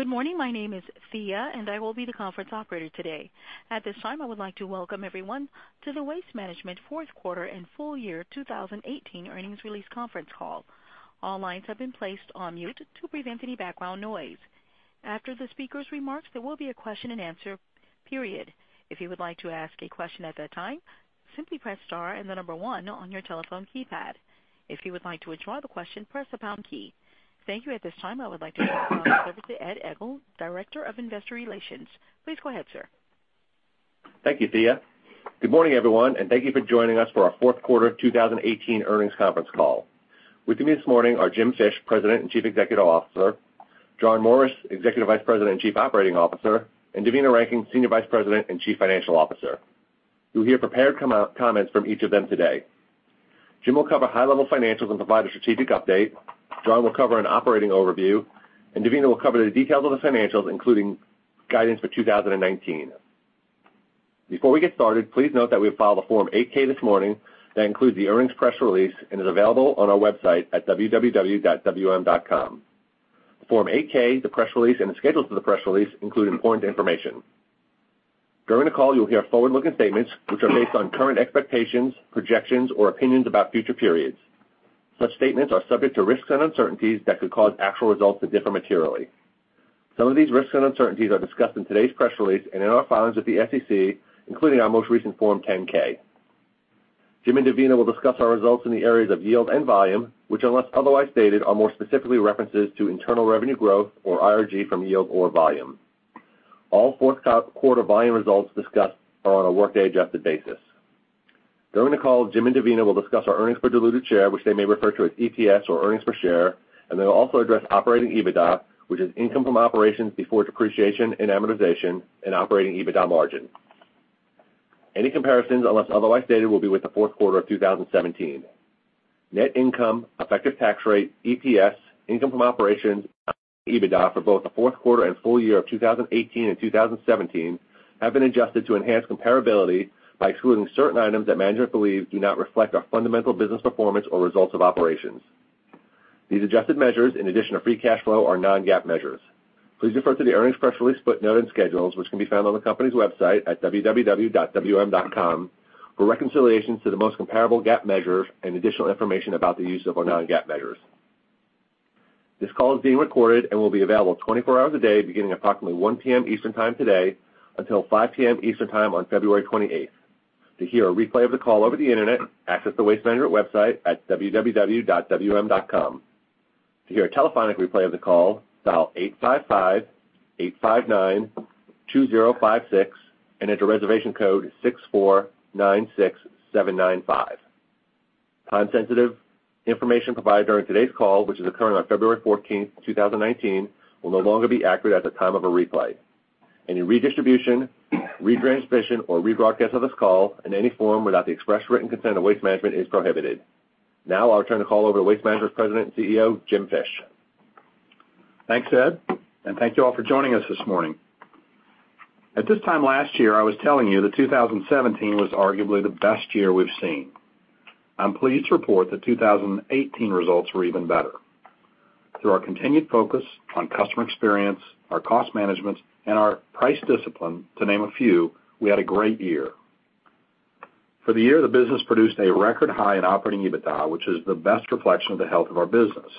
Good morning. My name is Thea, I will be the conference operator today. At this time, I would like to welcome everyone to the Waste Management fourth quarter and full year 2018 earnings release conference call. All lines have been placed on mute to prevent any background noise. After the speaker's remarks, there will be a question and answer period. If you would like to ask a question at that time, simply press star 1 on your telephone keypad. If you would like to withdraw the question, press the pound key. Thank you. At this time, I would like to turn the call over to Ed Egl, Director of Investor Relations. Please go ahead, sir. Thank you, Thea. Good morning, everyone, thank you for joining us for our fourth quarter 2018 earnings conference call. With me this morning are Jim Fish, President and Chief Executive Officer, John Morris, Executive Vice President and Chief Operating Officer, Devina Rankin, Senior Vice President and Chief Financial Officer. You'll hear prepared comments from each of them today. Jim will cover high-level financials and provide a strategic update. John will cover an operating overview. Devina will cover the details of the financials, including guidance for 2019. Before we get started, please note that we have filed a Form 8-K this morning that includes the earnings press release and is available on our website at www.wm.com. Form 8-K, the press release, and the schedules for the press release include important information. During the call, you'll hear forward-looking statements, which are based on current expectations, projections, or opinions about future periods. Such statements are subject to risks and uncertainties that could cause actual results to differ materially. Some of these risks and uncertainties are discussed in today's press release and in our filings with the SEC, including our most recent Form 10-K. Jim and Devina will discuss our results in the areas of yield and volume, which, unless otherwise stated, are more specifically references to internal revenue growth, or IRG, from yield or volume. All fourth quarter volume results discussed are on a workday-adjusted basis. During the call, Jim and Devina will discuss our earnings per diluted share, which they may refer to as EPS or earnings per share, they will also address operating EBITDA, which is income from operations before depreciation and amortization and operating EBITDA margin. Any comparisons, unless otherwise stated, will be with the fourth quarter of 2017. Net income, effective tax rate, EPS, income from operations, and EBITDA for both the fourth quarter and full year of 2018 and 2017 have been adjusted to enhance comparability by excluding certain items that management believes do not reflect our fundamental business performance or results of operations. These adjusted measures, in addition to free cash flow, are non-GAAP measures. Please refer to the earnings press release footnote and schedules, which can be found on the company's website at www.wm.com for reconciliations to the most comparable GAAP measures and additional information about the use of our non-GAAP measures. This call is being recorded and will be available 24 hours a day, beginning at approximately 1 P.M. Eastern time today until 5 P.M. Eastern time on February 28th. To hear a replay of the call over the internet, access the Waste Management website at www.wm.com. To hear a telephonic replay of the call, dial 855-859-2056 and enter reservation code 6496795. Time-sensitive information provided during today's call, which is occurring on February 14th, 2019, will no longer be accurate at the time of a replay. Any redistribution, retransmission, or rebroadcast of this call in any form without the express written consent of Waste Management is prohibited. I'll turn the call over to Waste Management President and CEO, Jim Fish. Thanks, Ed. Thank you all for joining us this morning. At this time last year, I was telling you that 2017 was arguably the best year we've seen. I'm pleased to report that 2018 results were even better. Through our continued focus on customer experience, our cost management, and our price discipline, to name a few, we had a great year. For the year, the business produced a record high in operating EBITDA, which is the best reflection of the health of our business.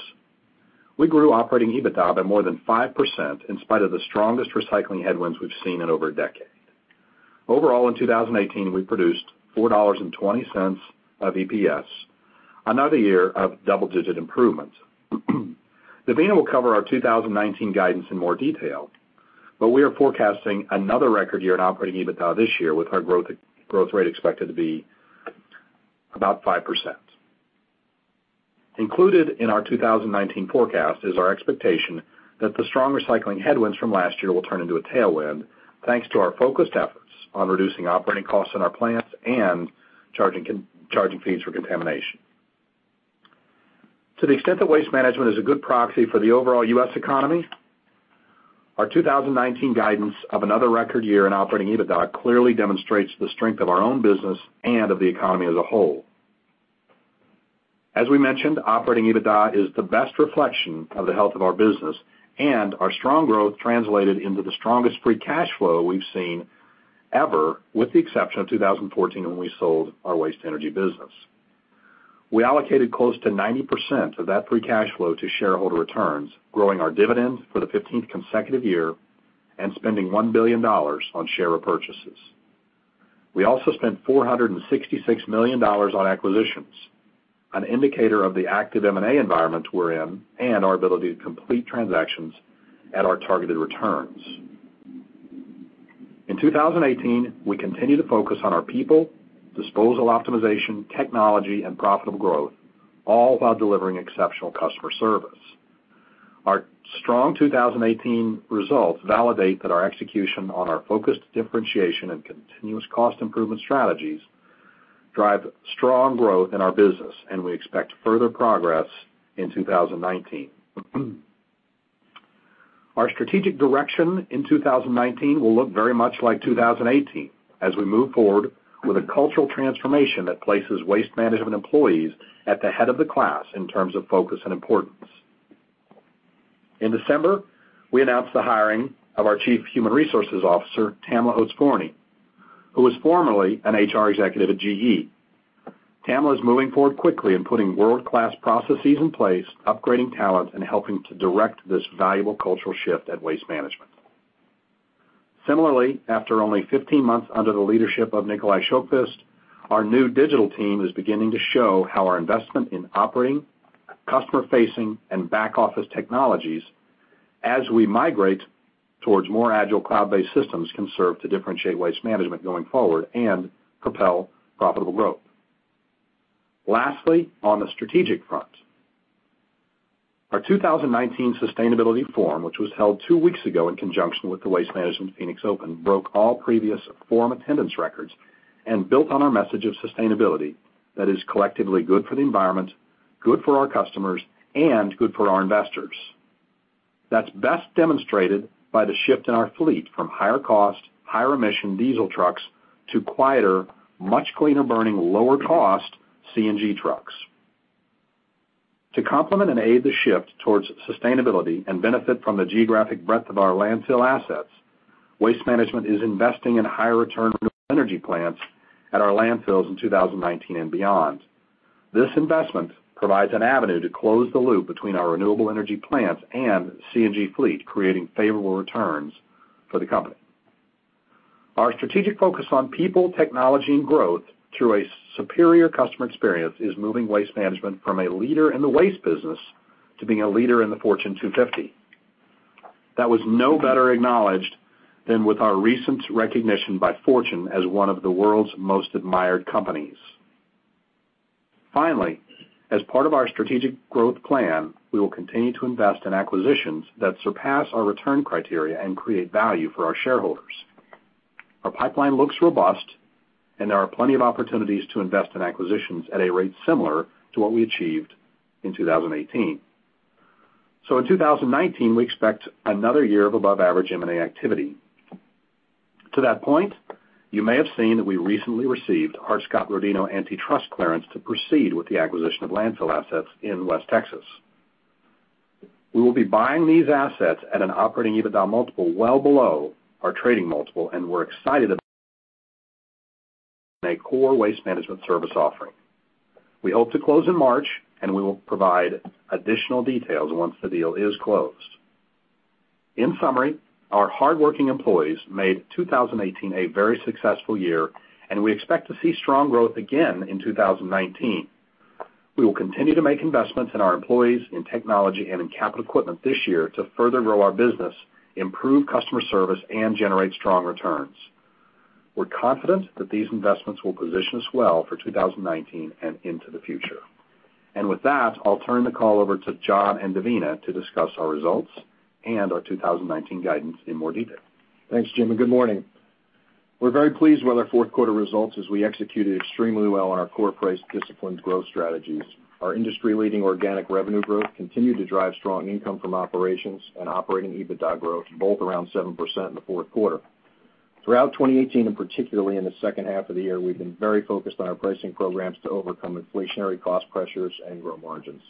We grew operating EBITDA by more than 5% in spite of the strongest recycling headwinds we've seen in over a decade. Overall, in 2018, we produced $4.20 of EPS, another year of double-digit improvements. Devina will cover our 2019 guidance in more detail, but we are forecasting another record year in operating EBITDA this year, with our growth rate expected to be about 5%. Included in our 2019 forecast is our expectation that the strong recycling headwinds from last year will turn into a tailwind, thanks to our focused efforts on reducing operating costs in our plants and charging fees for contamination. To the extent that Waste Management is a good proxy for the overall U.S. economy, our 2019 guidance of another record year in operating EBITDA clearly demonstrates the strength of our own business and of the economy as a whole. As we mentioned, operating EBITDA is the best reflection of the health of our business and our strong growth translated into the strongest free cash flow we've seen ever, with the exception of 2014 when we sold our waste energy business. We allocated close to 90% of that free cash flow to shareholder returns, growing our dividends for the 15th consecutive year and spending $1 billion on share repurchases. We also spent $466 million on acquisitions, an indicator of the active M&A environment we're in and our ability to complete transactions at our targeted returns. In 2018, we continued to focus on our people, disposal optimization, technology, and profitable growth, all while delivering exceptional customer service. Our strong 2018 results validate that our execution on our focused differentiation and continuous cost improvement strategies drive strong growth in our business, and we expect further progress in 2019. Our strategic direction in 2019 will look very much like 2018 as we move forward with a cultural transformation that places Waste Management employees at the head of the class in terms of focus and importance. In December, we announced the hiring of our Chief Human Resources Officer, Tamla Oates-Forney, who was formerly an HR executive at GE. Tamla is moving forward quickly and putting world-class processes in place, upgrading talent, and helping to direct this valuable cultural shift at Waste Management. Similarly, after only 15 months under the leadership of Nikolaj Sjoqvist, our new digital team is beginning to show how our investment in operating, customer-facing, and back-office technologies as we migrate towards more agile cloud-based systems can serve to differentiate Waste Management going forward and propel profitable growth. Lastly, on the strategic front, our 2019 sustainability forum, which was held two weeks ago in conjunction with the Waste Management Phoenix Open, broke all previous forum attendance records and built on our message of sustainability that is collectively good for the environment, good for our customers, and good for our investors. That's best demonstrated by the shift in our fleet from higher cost, higher emission diesel trucks to quieter, much cleaner burning, lower cost CNG trucks. To complement and aid the shift towards sustainability and benefit from the geographic breadth of our landfill assets, Waste Management is investing in higher return renewable energy plants at our landfills in 2019 and beyond. This investment provides an avenue to close the loop between our renewable energy plants and CNG fleet, creating favorable returns for the company. Our strategic focus on people, technology, and growth through a superior customer experience is moving Waste Management from a leader in the waste business to being a leader in the Fortune 250. That was no better acknowledged than with our recent recognition by Fortune as one of the world's most admired companies. As part of our strategic growth plan, we will continue to invest in acquisitions that surpass our return criteria and create value for our shareholders. Our pipeline looks robust, and there are plenty of opportunities to invest in acquisitions at a rate similar to what we achieved in 2018. In 2019, we expect another year of above-average M&A activity. To that point, you may have seen that we recently received Hart-Scott-Rodino Antitrust clearance to proceed with the acquisition of landfill assets in West Texas. We will be buying these assets at an operating EBITDA multiple well below our trading multiple, and we're excited about a core Waste Management service offering. We hope to close in March, and we will provide additional details once the deal is closed. In summary, our hardworking employees made 2018 a very successful year, and we expect to see strong growth again in 2019. We will continue to make investments in our employees, in technology, and in capital equipment this year to further grow our business, improve customer service, and generate strong returns. We're confident that these investments will position us well for 2019 and into the future. With that, I'll turn the call over to John and Devina to discuss our results and our 2019 guidance in more detail. Thanks, Jim, and good morning. We're very pleased with our fourth quarter results as we executed extremely well on our core price discipline growth strategies. Our industry-leading organic revenue growth continued to drive strong income from operations and operating EBITDA growth, both around 7% in the fourth quarter. Throughout 2018, and particularly in the second half of the year, we've been very focused on our pricing programs to overcome inflationary cost pressures and grow margins.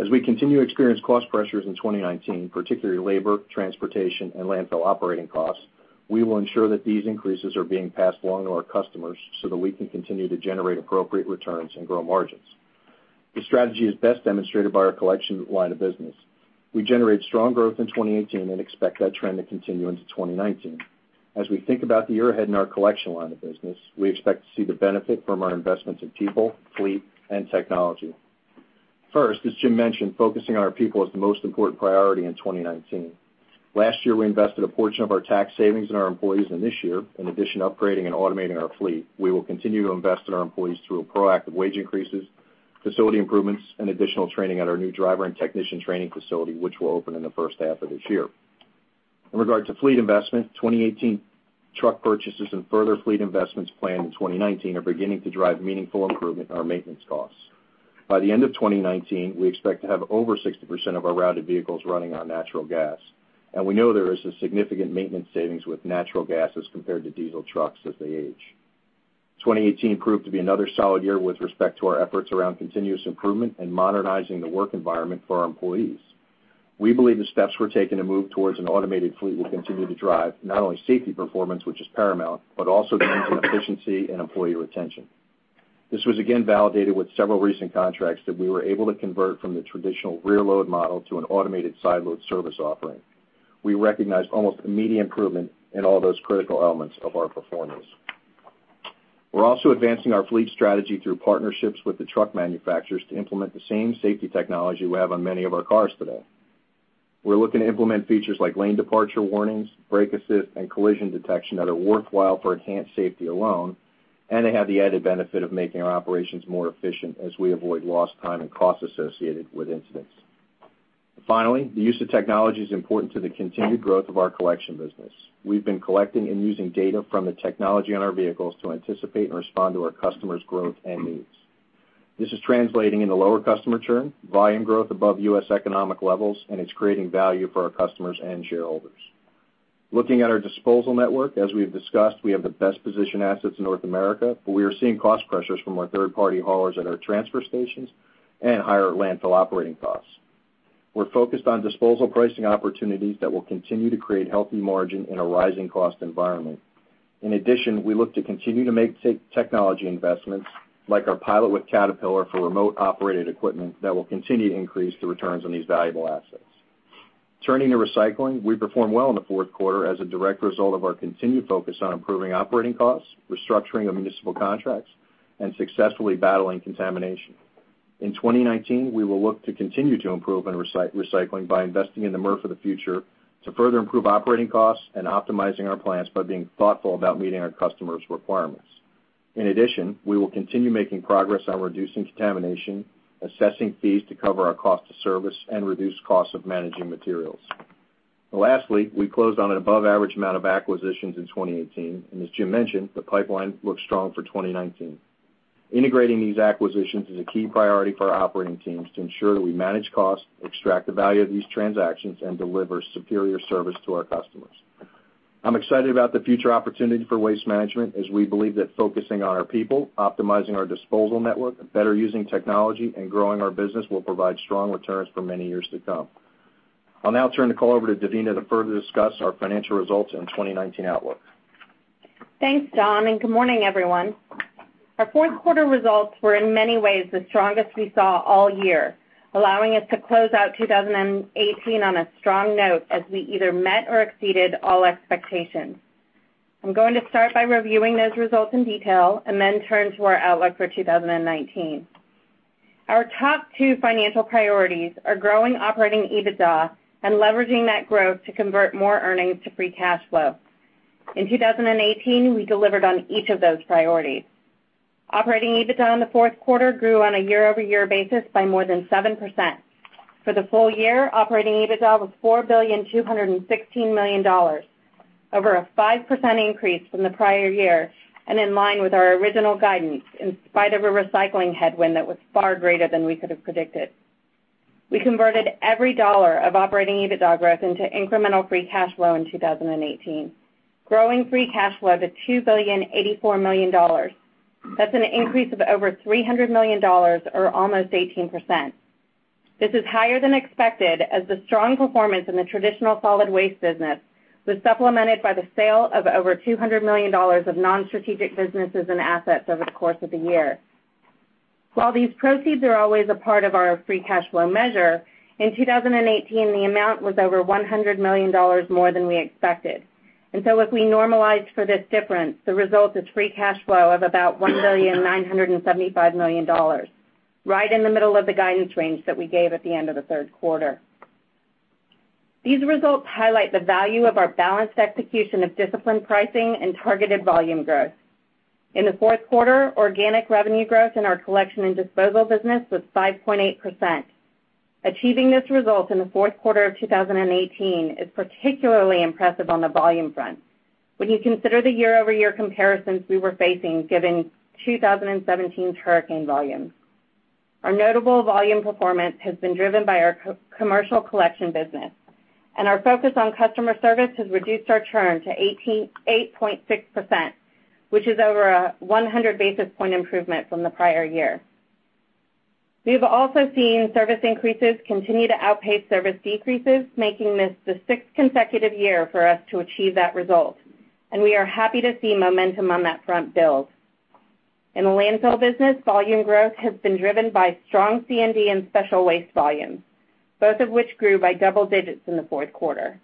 As we continue to experience cost pressures in 2019, particularly labor, transportation, and landfill operating costs, we will ensure that these increases are being passed along to our customers so that we can continue to generate appropriate returns and grow margins. This strategy is best demonstrated by our collection line of business. We generated strong growth in 2018 and expect that trend to continue into 2019. As we think about the year ahead in our collection line of business, we expect to see the benefit from our investments in people, fleet, and technology. First, as Jim mentioned, focusing on our people is the most important priority in 2019. Last year, we invested a portion of our tax savings in our employees, and this year, in addition to upgrading and automating our fleet, we will continue to invest in our employees through proactive wage increases, facility improvements, and additional training at our new driver and technician training facility, which will open in the first half of this year. In regard to fleet investment, 2018 truck purchases and further fleet investments planned in 2019 are beginning to drive meaningful improvement in our maintenance costs. By the end of 2019, we expect to have over 60% of our routed vehicles running on natural gas. We know there is a significant maintenance savings with natural gas as compared to diesel trucks as they age. 2018 proved to be another solid year with respect to our efforts around continuous improvement and modernizing the work environment for our employees. We believe the steps we're taking to move towards an automated fleet will continue to drive not only safety performance, which is paramount, but also efficiency and employee retention. This was again validated with several recent contracts that we were able to convert from the traditional rear load model to an automated side load service offering. We recognized almost immediate improvement in all those critical elements of our performance. We're also advancing our fleet strategy through partnerships with the truck manufacturers to implement the same safety technology we have on many of our cars today. We're looking to implement features like lane departure warnings, brake assist, and collision detection that are worthwhile for enhanced safety alone, and they have the added benefit of making our operations more efficient as we avoid lost time and costs associated with incidents. Finally, the use of technology is important to the continued growth of our collection business. We've been collecting and using data from the technology on our vehicles to anticipate and respond to our customers' growth and needs. This is translating into lower customer churn, volume growth above U.S. economic levels, and it's creating value for our customers and shareholders. Looking at our disposal network, as we have discussed, we have the best positioned assets in North America, but we are seeing cost pressures from our third-party haulers at our transfer stations and higher landfill operating costs. We're focused on disposal pricing opportunities that will continue to create healthy margin in a rising cost environment. In addition, we look to continue to make technology investments, like our pilot with Caterpillar for remote-operated equipment, that will continue to increase the returns on these valuable assets. Turning to recycling, we performed well in the fourth quarter as a direct result of our continued focus on improving operating costs, restructuring of municipal contracts, and successfully battling contamination. In 2019, we will look to continue to improve in recycling by investing in the MRF of the future to further improve operating costs and optimizing our plans by being thoughtful about meeting our customers' requirements. In addition, we will continue making progress on reducing contamination, assessing fees to cover our cost of service, and reduce costs of managing materials. Lastly, we closed on an above-average amount of acquisitions in 2018. As Jim mentioned, the pipeline looks strong for 2019. Integrating these acquisitions is a key priority for our operating teams to ensure that we manage costs, extract the value of these transactions, and deliver superior service to our customers. I'm excited about the future opportunity for Waste Management, as we believe that focusing on our people, optimizing our disposal network, better using technology, and growing our business will provide strong returns for many years to come. I'll now turn the call over to Devina to further discuss our financial results and 2019 outlook. Thanks, John. Good morning, everyone. Our fourth quarter results were, in many ways, the strongest we saw all year, allowing us to close out 2018 on a strong note as we either met or exceeded all expectations. I'm going to start by reviewing those results in detail and then turn to our outlook for 2019. Our top two financial priorities are growing operating EBITDA and leveraging that growth to convert more earnings to free cash flow. In 2018, we delivered on each of those priorities. Operating EBITDA in the fourth quarter grew on a year-over-year basis by more than 7%. For the full year, operating EBITDA was $4.216 billion, over a 5% increase from the prior year, and in line with our original guidance in spite of a recycling headwind that was far greater than we could have predicted. We converted every dollar of operating EBITDA growth into incremental free cash flow in 2018, growing free cash flow to $2.084 billion. That's an increase of over $300 million or almost 18%. This is higher than expected as the strong performance in the traditional solid waste business was supplemented by the sale of over $200 million of non-strategic businesses and assets over the course of the year. While these proceeds are always a part of our free cash flow measure, in 2018, the amount was over $100 million more than we expected. As we normalize for this difference, the result is free cash flow of about $1.975 billion, right in the middle of the guidance range that we gave at the end of the third quarter. These results highlight the value of our balanced execution of disciplined pricing and targeted volume growth. In the fourth quarter, organic revenue growth in our collection and disposal business was 5.8%. Achieving this result in the fourth quarter of 2018 is particularly impressive on the volume front when you consider the year-over-year comparisons we were facing, given 2017 hurricane volumes. Our notable volume performance has been driven by our commercial collection business, and our focus on customer service has reduced our churn to 8.6%, which is over a 100-basis point improvement from the prior year. We have also seen service increases continue to outpace service decreases, making this the sixth consecutive year for us to achieve that result, and we are happy to see momentum on that front build. In the landfill business, volume growth has been driven by strong C&D and special waste volumes, both of which grew by double digits in the fourth quarter.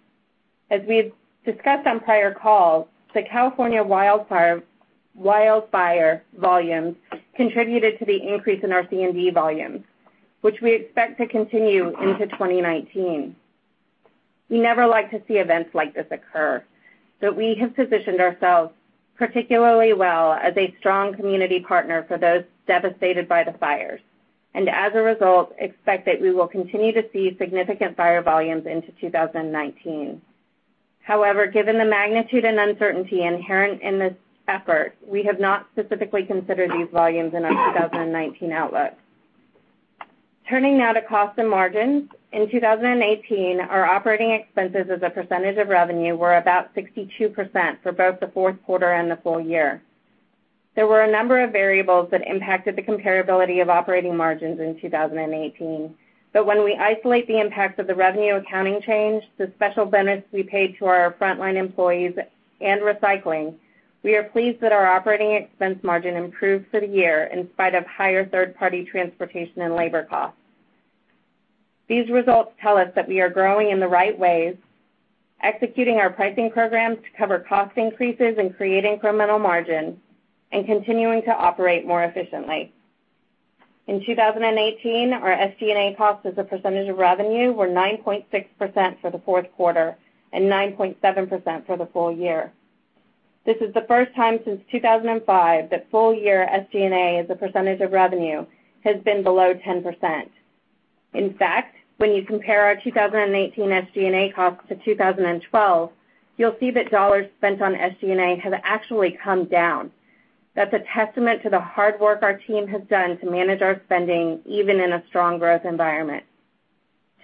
Given the magnitude and uncertainty inherent in this effort, we have not specifically considered these volumes in our 2019 outlook. Turning now to cost and margins, in 2018, our operating expenses as a percentage of revenue were about 62% for both the fourth quarter and the full year. There were a number of variables that impacted the comparability of operating margins in 2018. When we isolate the impact of the revenue accounting change, the special bonus we paid to our frontline employees, and recycling, we are pleased that our operating expense margin improved for the year in spite of higher third-party transportation and labor costs. These results tell us that we are growing in the right ways, executing our pricing programs to cover cost increases and create incremental margin, and continuing to operate more efficiently. In 2018, our SG&A costs as a percentage of revenue were 9.6% for the fourth quarter and 9.7% for the full year. This is the first time since 2005 that full-year SG&A as a percentage of revenue has been below 10%. In fact, when you compare our 2018 SG&A costs to 2012, you'll see that dollars spent on SG&A have actually come down. That's a testament to the hard work our team has done to manage our spending, even in a strong growth environment.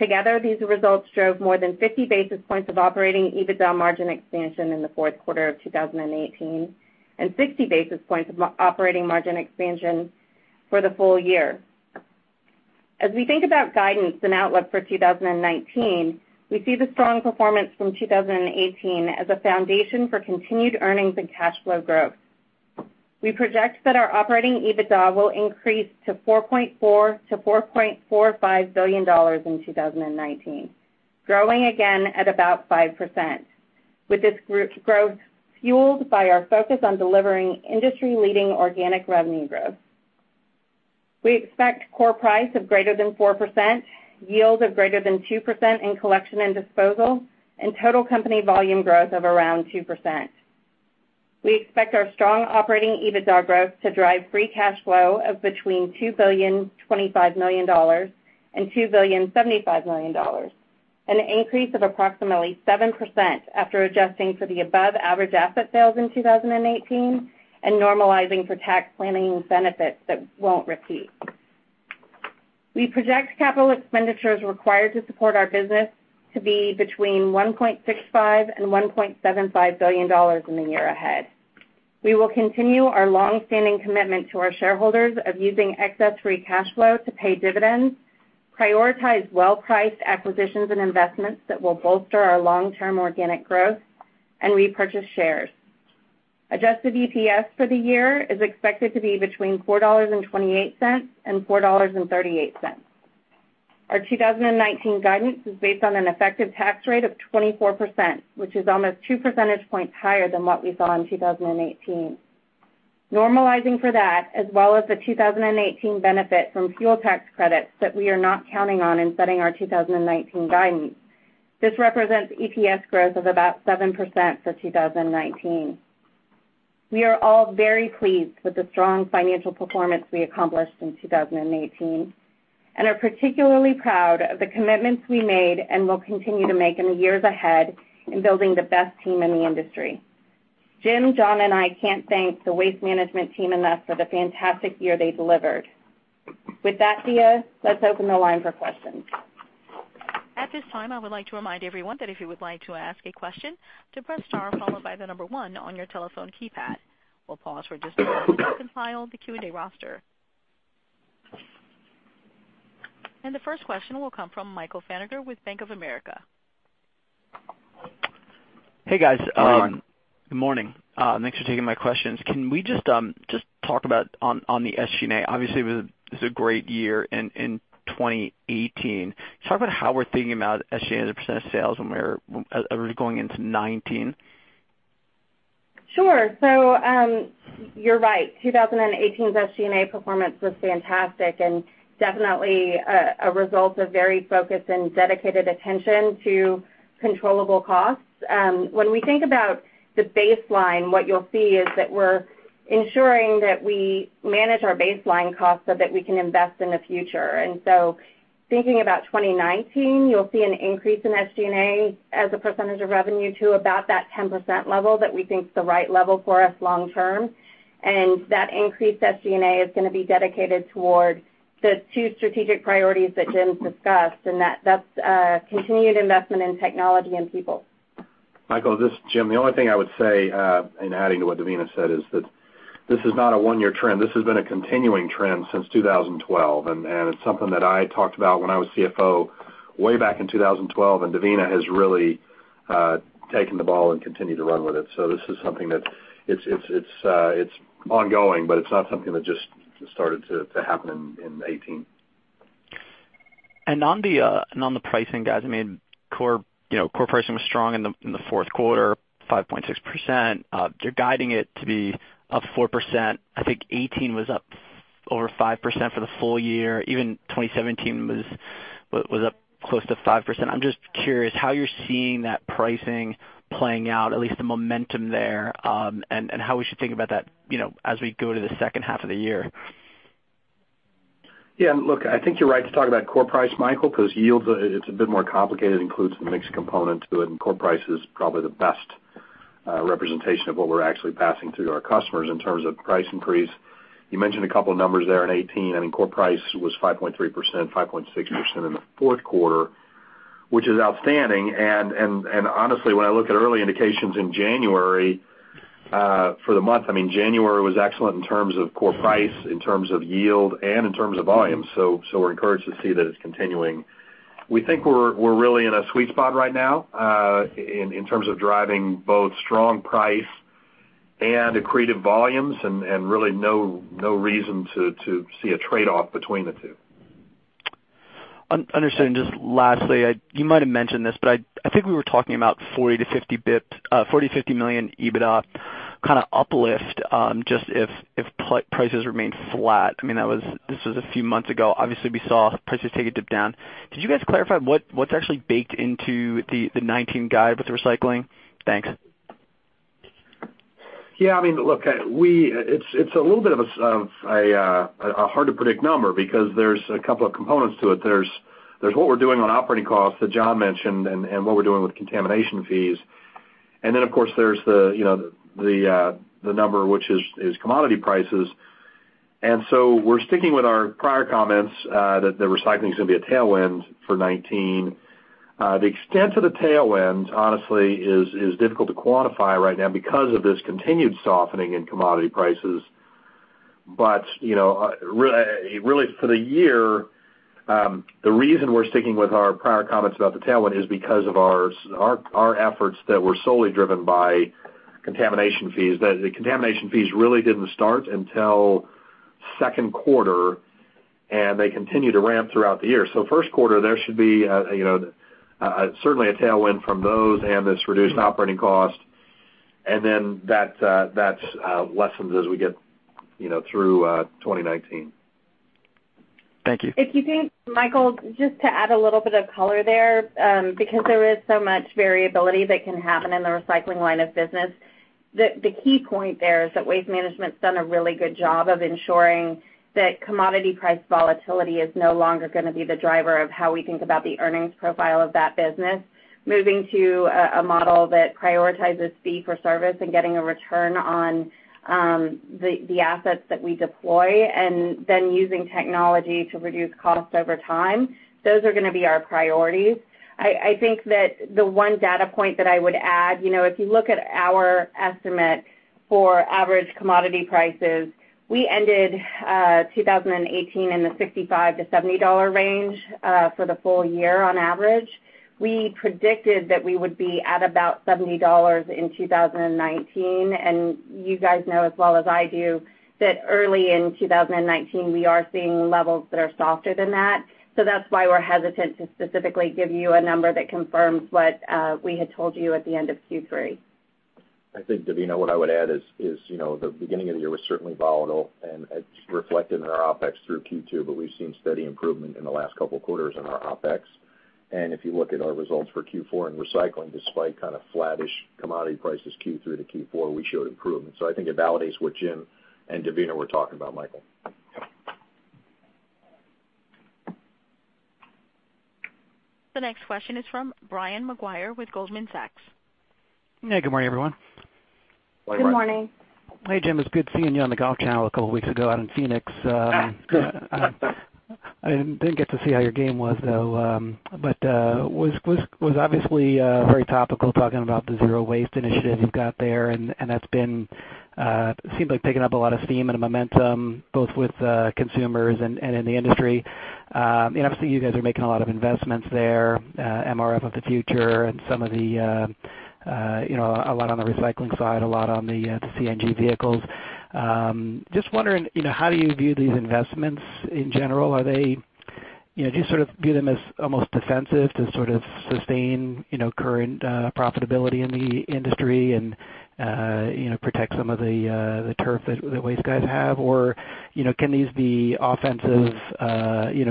Together, these results drove more than 50 basis points of operating EBITDA margin expansion in the fourth quarter of 2018, and 60 basis points of operating margin expansion for the full year. As we think about guidance and outlook for 2019, we see the strong performance from 2018 as a foundation for continued earnings and cash flow growth. We project that our operating EBITDA will increase to $4.4 billion-$4.45 billion in 2019, growing again at about 5%, with this growth fueled by our focus on delivering industry-leading organic revenue growth. We expect core price of greater than 4%, yield of greater than 2% in collection and disposal, and total company volume growth of around 2%. We expect our strong operating EBITDA growth to drive free cash flow of between $2.025 billion and $2.075 billion, an increase of approximately 7% after adjusting for the above-average asset sales in 2018 and normalizing for tax planning benefits that won't repeat. We project capital expenditures required to support our business to be between $1.65 billion and $1.75 billion in the year ahead. We will continue our longstanding commitment to our shareholders of using excess free cash flow to pay dividends, prioritize well-priced acquisitions and investments that will bolster our long-term organic growth, and repurchase shares. Adjusted EPS for the year is expected to be between $4.28 and $4.38. Our 2019 guidance is based on an effective tax rate of 24%, which is almost two percentage points higher than what we saw in 2018. Normalizing for that, as well as the 2018 benefit from fuel tax credits that we are not counting on in setting our 2019 guidance, this represents EPS growth of about 7% for 2019. We are all very pleased with the strong financial performance we accomplished in 2018 and are particularly proud of the commitments we made and will continue to make in the years ahead in building the best team in the industry. Jim, John, and I can't thank the Waste Management team enough for the fantastic year they delivered. With that, Thea, let's open the line for questions. At this time, I would like to remind everyone that if you would like to ask a question, to press star followed by the number one on your telephone keypad. We'll pause for just a moment to compile the Q&A roster. The first question will come from Michael Feniger with Bank of America. Hey, guys. Good morning. Good morning. Thanks for taking my questions. Can we just talk about on the SG&A, obviously, it was a great year in 2018. Just talk about how we're thinking about SG&A as a percentage of sales as we're going into 2019. Sure. You're right. 2018's SG&A performance was fantastic and definitely a result of very focused and dedicated attention to controllable costs. When we think about the baseline, what you'll see is that we're ensuring that we manage our baseline costs so that we can invest in the future. Thinking about 2019, you'll see an increase in SG&A as a percentage of revenue to about that 10% level that we think is the right level for us long term. That increased SG&A is going to be dedicated toward the two strategic priorities that Jim discussed, and that's a continued investment in technology and people. Michael, this is Jim. The only thing I would say in adding to what Devina said is that this is not a one-year trend. This has been a continuing trend since 2012, and it's something that I talked about when I was CFO way back in 2012, and Devina has really taken the ball and continued to run with it. This is something that, it's ongoing, but it's not something that just started to happen in 2018. On the pricing, guys, core pricing was strong in the fourth quarter, 5.6%. You're guiding it to be up 4%. I think 2018 was up over 5% for the full year. Even 2017 was up close to 5%. I'm just curious how you're seeing that pricing playing out, at least the momentum there, and how we should think about that as we go to the second half of the year. Look, I think you're right to talk about core price, Michael, because yields, it's a bit more complicated. It includes some mixed components to it, and core price is probably the best representation of what we're actually passing through to our customers in terms of price increase. You mentioned a couple of numbers there in 2018. Core price was 5.3%, 5.6% in the fourth quarter, which is outstanding. Honestly, when I look at early indications in January, for the month, January was excellent in terms of core price, in terms of yield, and in terms of volume. We're encouraged to see that it's continuing. We think we're really in a sweet spot right now in terms of driving both strong price and accretive volumes and really no reason to see a trade-off between the two. Understood. Just lastly, you might have mentioned this, but I think we were talking about $40 to $50 million EBITDA uplift, just if prices remain flat. This was a few months ago. Obviously, we saw prices take a dip down. Could you guys clarify what's actually baked into the 2019 guide with the recycling? Thanks. It's a little bit of a hard-to-predict number because there's a couple of components to it. There's what we're doing on operating costs that John mentioned and what we're doing with contamination fees. Then, of course, there's the number which is commodity prices. We're sticking with our prior comments that the recycling is going to be a tailwind for 2019. The extent of the tailwind, honestly, is difficult to quantify right now because of this continued softening in commodity prices. Really, for the year, the reason we're sticking with our prior comments about the tailwind is because of our efforts that were solely driven by contamination fees. The contamination fees really didn't start until second quarter, and they continue to ramp throughout the year. First quarter, there should be certainly a tailwind from those and this reduced operating cost. That lessens as we get through 2019. Thank you. Michael, just to add a little bit of color there, because there is so much variability that can happen in the recycling line of business, the key point there is that Waste Management's done a really good job of ensuring that commodity price volatility is no longer going to be the driver of how we think about the earnings profile of that business. Moving to a model that prioritizes fee for service and getting a return on the assets that we deploy, and then using technology to reduce costs over time, those are going to be our priorities. I think that the one data point that I would add, if you look at our estimate for average commodity prices, we ended 2018 in the $65-$70 range for the full year on average. We predicted that we would be at about $70 in 2019, and you guys know as well as I do that early in 2019, we are seeing levels that are softer than that. That's why we're hesitant to specifically give you a number that confirms what we had told you at the end of Q3. I think, Devina, what I would add is, the beginning of the year was certainly volatile. It's reflected in our OPEX through Q2, but we've seen steady improvement in the last couple of quarters in our OPEX. If you look at our results for Q4 in recycling, despite kind of flattish commodity prices Q3 to Q4, we showed improvement. I think it validates what Jim and Devina were talking about, Michael. The next question is from Brian Maguire with Goldman Sachs. Yeah. Good morning, everyone. Good morning. Good morning. Hi, Jim. It's good seeing you on the Golf Channel a couple of weeks ago out in Phoenix. Good. I didn't get to see how your game was, though. Was obviously very topical talking about the Zero Waste Initiative you've got there, and that seems like picking up a lot of steam and momentum, both with consumers and in the industry. Obviously, you guys are making a lot of investments there, MRF of the future, and a lot on the recycling side, a lot on the CNG vehicles. Just wondering, how do you view these investments in general? Do you sort of view them as almost defensive to sort of sustain current profitability in the industry and protect some of the turf that the waste guys have, or can these be offensive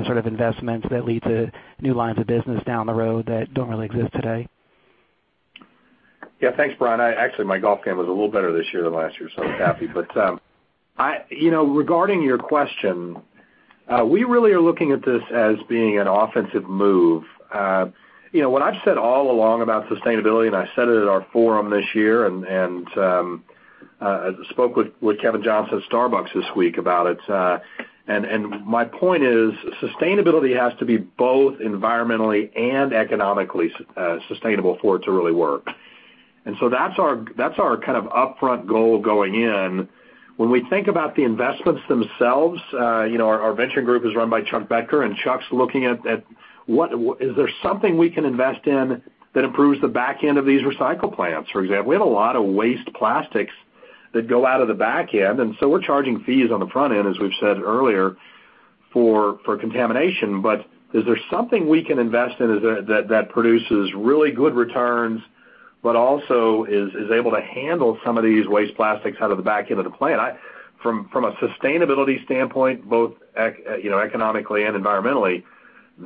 sort of investments that lead to new lines of business down the road that don't really exist today? Yeah. Thanks, Brian. Actually, my golf game was a little better this year than last year, so I'm happy. But regarding your question, we really are looking at this as being an offensive move. What I've said all along about sustainability, and I said it at our forum this year and spoke with Kevin Johnson at Starbucks this week about it, my point is, sustainability has to be both environmentally and economically sustainable for it to really work. So that's our kind of upfront goal going in. When we think about the investments themselves, our venture group is run by Chuck Becker, and Chuck's looking at, is there something we can invest in that improves the back end of these recycle plants, for example. We have a lot of waste plastics that go out of the back end, and so we're charging fees on the front end, as we've said earlier, for contamination. But is there something we can invest in that produces really good returns, but also is able to handle some of these waste plastics out of the back end of the plant? From a sustainability standpoint, both economically and environmentally,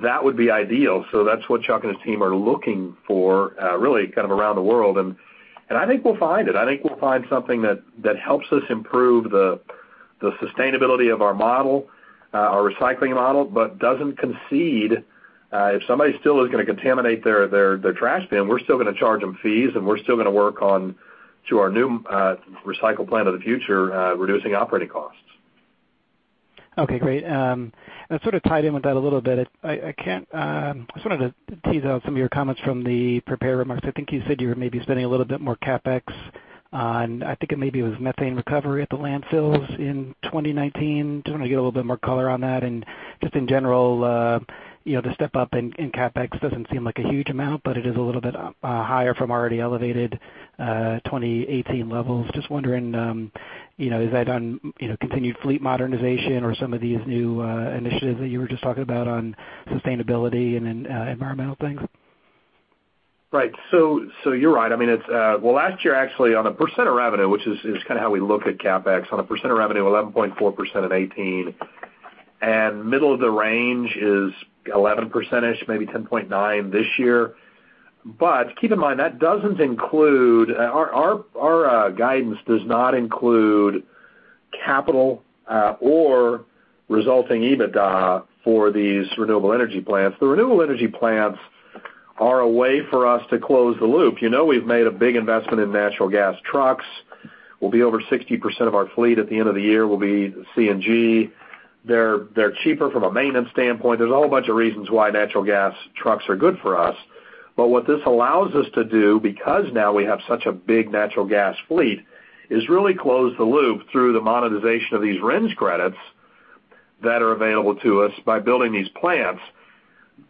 that would be ideal. So that's what Chuck and his team are looking for, really kind of around the world, and I think we'll find it. I think we'll find something that helps us improve the sustainability of our recycling model, but doesn't concede. If somebody still is going to contaminate their trash bin, we're still going to charge them fees, and we're still going to work on, to our new recycle plant of the future, reducing operating costs. Okay, great. Sort of tied in with that a little bit, I wanted to tease out some of your comments from the prepared remarks. I think you said you were maybe spending a little bit more CapEx on, I think it maybe was methane recovery at the landfills in 2019. Just want to get a little bit more color on that. And just in general, the step-up in CapEx doesn't seem like a huge amount, but it is a little bit higher from already elevated 2018 levels. Just wondering, is that on continued fleet modernization or some of these new initiatives that you were just talking about on sustainability and environmental things? Right. You're right. Well, last year, actually, on a percent of revenue, which is kind of how we look at CapEx, on a percent of revenue, 11.4% in 2018, and middle of the range is 11%-ish, maybe 10.9% this year. But keep in mind, our guidance does not include capital or resulting EBITDA for these renewable energy plants. The renewable energy plants are a way for us to close the loop. You know we've made a big investment in natural gas trucks. We'll be over 60% of our fleet at the end of the year will be CNG. They're cheaper from a maintenance standpoint. There's a whole bunch of reasons why natural gas trucks are good for us. What this allows us to do, because now we have such a big natural gas fleet, is really close the loop through the monetization of these RINs credits that are available to us by building these plants.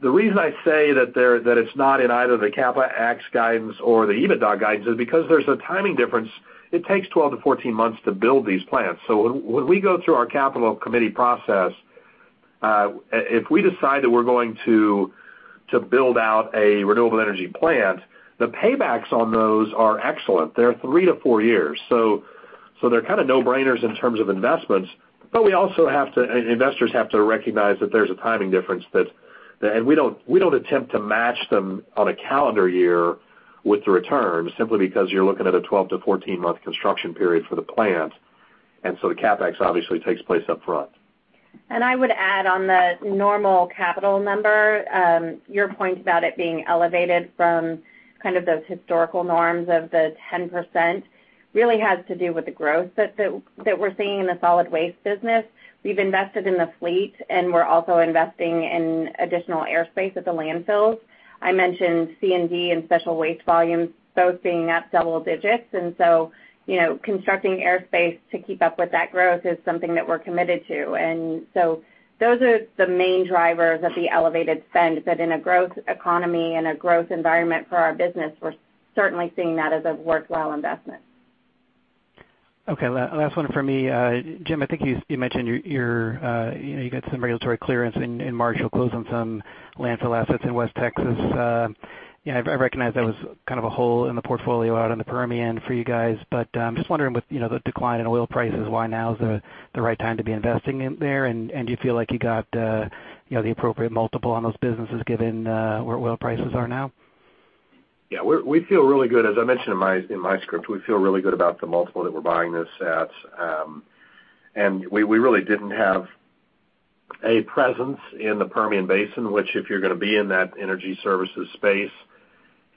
The reason I say that it's not in either the CapEx guidance or the EBITDA guidance is because there's a timing difference. It takes 12 to 14 months to build these plants. When we go through our capital committee process, if we decide that we're going to build out a renewable energy plant, the paybacks on those are excellent. They're three to four years. They're kind of no-brainers in terms of investments. Investors have to recognize that there's a timing difference, and we don't attempt to match them on a calendar year with the returns, simply because you're looking at a 12 to 14-month construction period for the plant. The CapEx obviously takes place up front. I would add on the normal capital number, your point about it being elevated from those historical norms of the 10%, really has to do with the growth that we're seeing in the solid waste business. We've invested in the fleet, and we're also investing in additional airspace at the landfills. I mentioned C&D and special waste volumes, both being up double digits. Constructing airspace to keep up with that growth is something that we're committed to. Those are the main drivers of the elevated spend. In a growth economy and a growth environment for our business, we're certainly seeing that as a worthwhile investment. Okay, last one from me. Jim, I think you mentioned you got some regulatory clearance in March. You'll close on some landfill assets in West Texas. I recognize that was a hole in the portfolio out in the Permian for you guys, I'm just wondering with the decline in oil prices, why now is the right time to be investing in there? Do you feel like you got the appropriate multiple on those businesses given where oil prices are now? Yeah, we feel really good. As I mentioned in my script, we feel really good about the multiple that we're buying this at. We really didn't have a presence in the Permian Basin, which, if you're going to be in that energy services space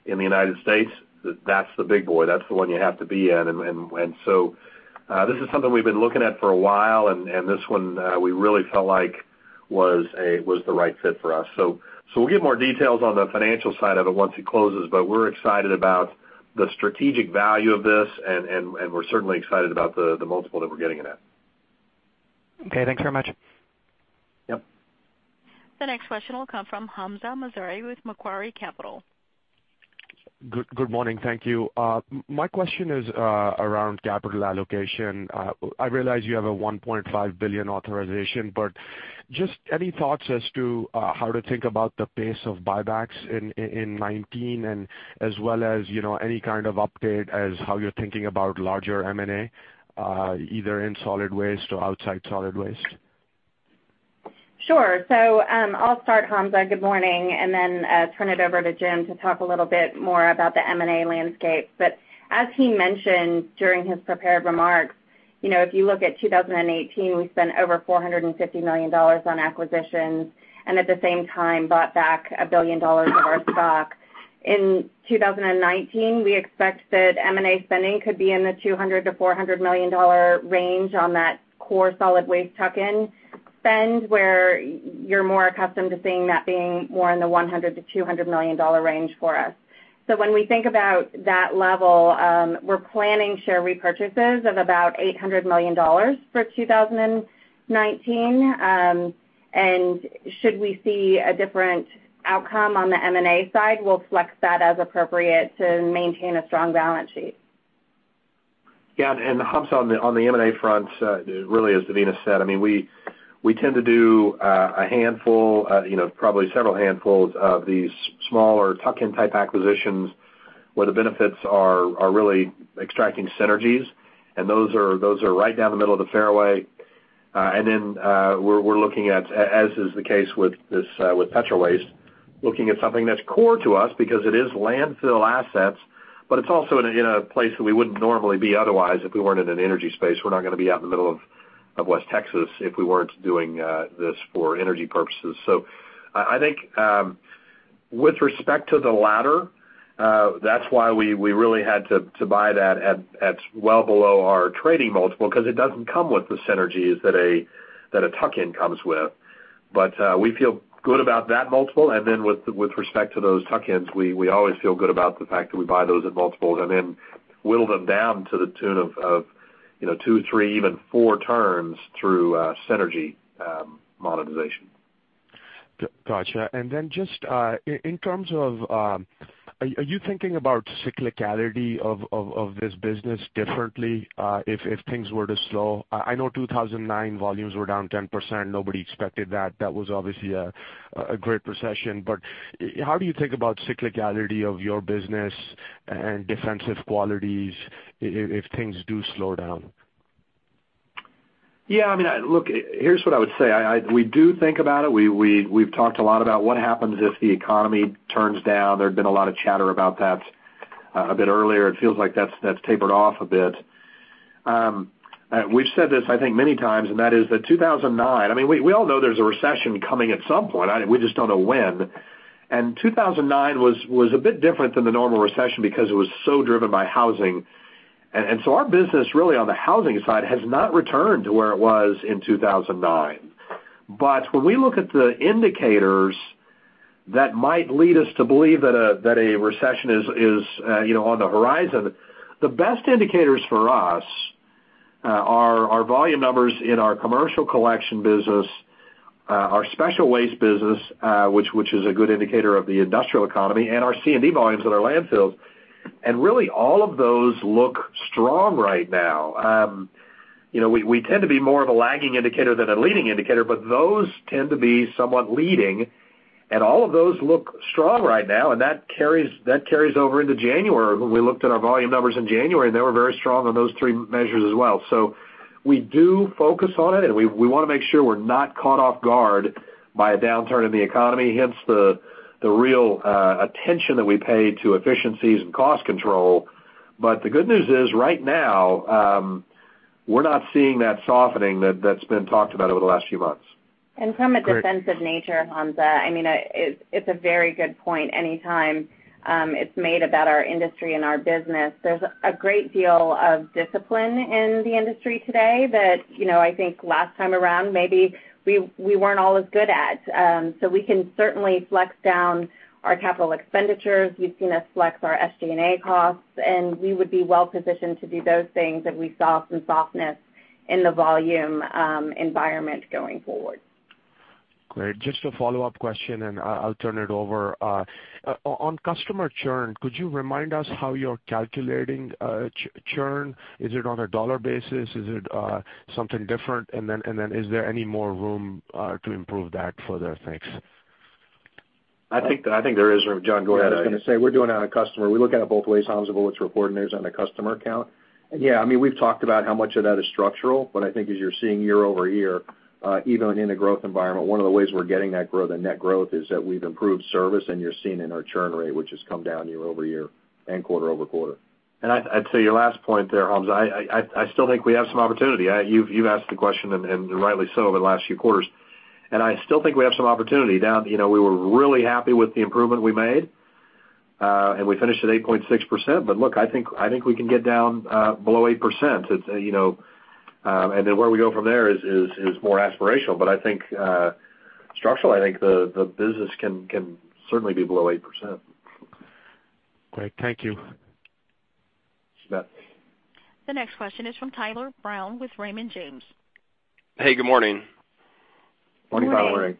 in the U.S., that's the big boy. That's the one you have to be in. This is something we've been looking at for a while, and this one we really felt like was the right fit for us. We'll give more details on the financial side of it once it closes, but we're excited about the strategic value of this, and we're certainly excited about the multiple that we're getting it at. Okay, thanks very much. Yep. The next question will come from Hamzah Mazari with Macquarie Capital. Good morning. Thank you. My question is around capital allocation. I realize you have a $1.5 billion authorization, just any thoughts as to how to think about the pace of buybacks in 2019 and as well as any kind of update as how you're thinking about larger M&A, either in solid waste or outside solid waste? Sure. I'll start, Hamzah. Good morning. Then turn it over to Jim to talk a little bit more about the M&A landscape. As he mentioned during his prepared remarks, if you look at 2018, we spent over $450 million on acquisitions and at the same time bought back $1 billion of our stock. In 2019, we expect that M&A spending could be in the $200 million-$400 million range on that core solid waste tuck-in spend, where you're more accustomed to seeing that being more in the $100 million-$200 million range for us. When we think about that level, we're planning share repurchases of about $800 million for 2019. Should we see a different outcome on the M&A side, we'll flex that as appropriate to maintain a strong balance sheet. Yeah. Hamzah, on the M&A front, really as Devina said, we tend to do a handful, probably several handfuls of these smaller tuck-in type acquisitions where the benefits are really extracting synergies, and those are right down the middle of the fairway. Then we're looking at, as is the case with Petro Waste, looking at something that's core to us because it is landfill assets, but it's also in a place that we wouldn't normally be otherwise if we weren't in an energy space. We're not going to be out in the middle of West Texas if we weren't doing this for energy purposes. I think with respect to the latter, that's why we really had to buy that at well below our trading multiple, because it doesn't come with the synergies that a tuck-in comes with. We feel good about that multiple. Then with respect to those tuck-ins, we always feel good about the fact that we buy those at multiples and then whittle them down to the tune of 2, 3, even 4 turns through synergy monetization. Got you. Just in terms of, are you thinking about cyclicality of this business differently if things were to slow? I know 2009 volumes were down 10%. Nobody expected that. That was obviously a great recession. How do you think about cyclicality of your business and defensive qualities if things do slow down? Yeah, look, here's what I would say. We do think about it. We've talked a lot about what happens if the economy turns down. There's been a lot of chatter about that. A bit earlier, it feels like that's tapered off a bit. We've said this, I think, many times, and that is that 2009. We all know there's a recession coming at some point. We just don't know when. 2009 was a bit different than the normal recession because it was so driven by housing. Our business really on the housing side has not returned to where it was in 2009. When we look at the indicators that might lead us to believe that a recession is on the horizon, the best indicators for us are our volume numbers in our commercial collection business, our special waste business, which is a good indicator of the industrial economy, and our C&D volumes at our landfills. Really all of those look strong right now. We tend to be more of a lagging indicator than a leading indicator, but those tend to be somewhat leading, and all of those look strong right now, and that carries over into January. When we looked at our volume numbers in January, they were very strong on those three measures as well. We do focus on it, and we want to make sure we're not caught off guard by a downturn in the economy, hence the real attention that we pay to efficiencies and cost control. The good news is right now, we're not seeing that softening that's been talked about over the last few months. From a defensive nature, Hamzah, it's a very good point. Anytime it's made about our industry and our business, there's a great deal of discipline in the industry today that, I think last time around, maybe we weren't all as good at. We can certainly flex down our capital expenditures. We've seen us flex our SG&A costs, and we would be well-positioned to do those things if we saw some softness in the volume environment going forward. Great. Just a follow-up question, I'll turn it over. On customer churn, could you remind us how you're calculating churn? Is it on a dollar basis? Is it something different? Is there any more room to improve that further? Thanks. I think there is room. John, go ahead. I was going to say, we're doing it on a customer. We look at it both ways, Hamzah, what's reported there is on a customer count. Yeah, we've talked about how much of that is structural, I think as you're seeing year-over-year, even in a growth environment, one of the ways we're getting that growth and net growth is that we've improved service, and you're seeing it in our churn rate, which has come down year-over-year and quarter-over-quarter. I'd say your last point there, Hamzah, I still think we have some opportunity. You've asked the question, rightly so, over the last few quarters, I still think we have some opportunity. We were really happy with the improvement we made, we finished at 8.6%, look, I think we can get down below 8%. Where we go from there is more aspirational, I think structural, I think the business can certainly be below 8%. Great. Thank you. [inaudible] The next question is from Tyler Brown with Raymond James. Hey, good morning. Morning, Tyler. Good morning.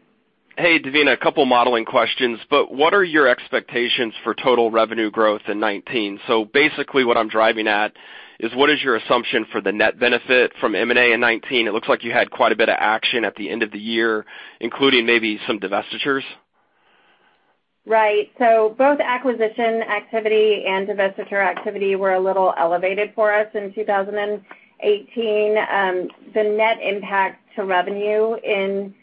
Hey, Devina, a couple modeling questions, what are your expectations for total revenue growth in 2019? Basically what I'm driving at is what is your assumption for the net benefit from M&A in 2019? It looks like you had quite a bit of action at the end of the year, including maybe some divestitures. Right. Both acquisition activity and divestiture activity were a little elevated for us in 2018. The net impact to revenue in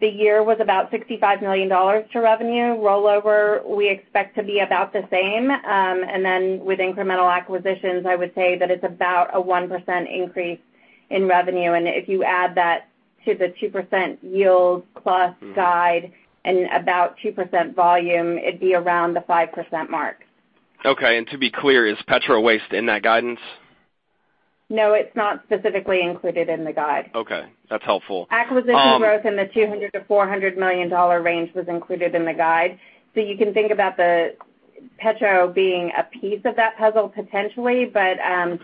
the year was about $65 million to revenue. Rollover, we expect to be about the same. Then with incremental acquisitions, I would say that it's about a 1% increase in revenue. If you add that to the 2% yield plus guide and about 2% volume, it'd be around the 5% mark. Okay. To be clear, is Petro Waste in that guidance? No, it's not specifically included in the guide. Okay. That's helpful. Acquisition growth in the $200 million-$400 million range was included in the guide. You can think about Petro being a piece of that puzzle potentially. Okay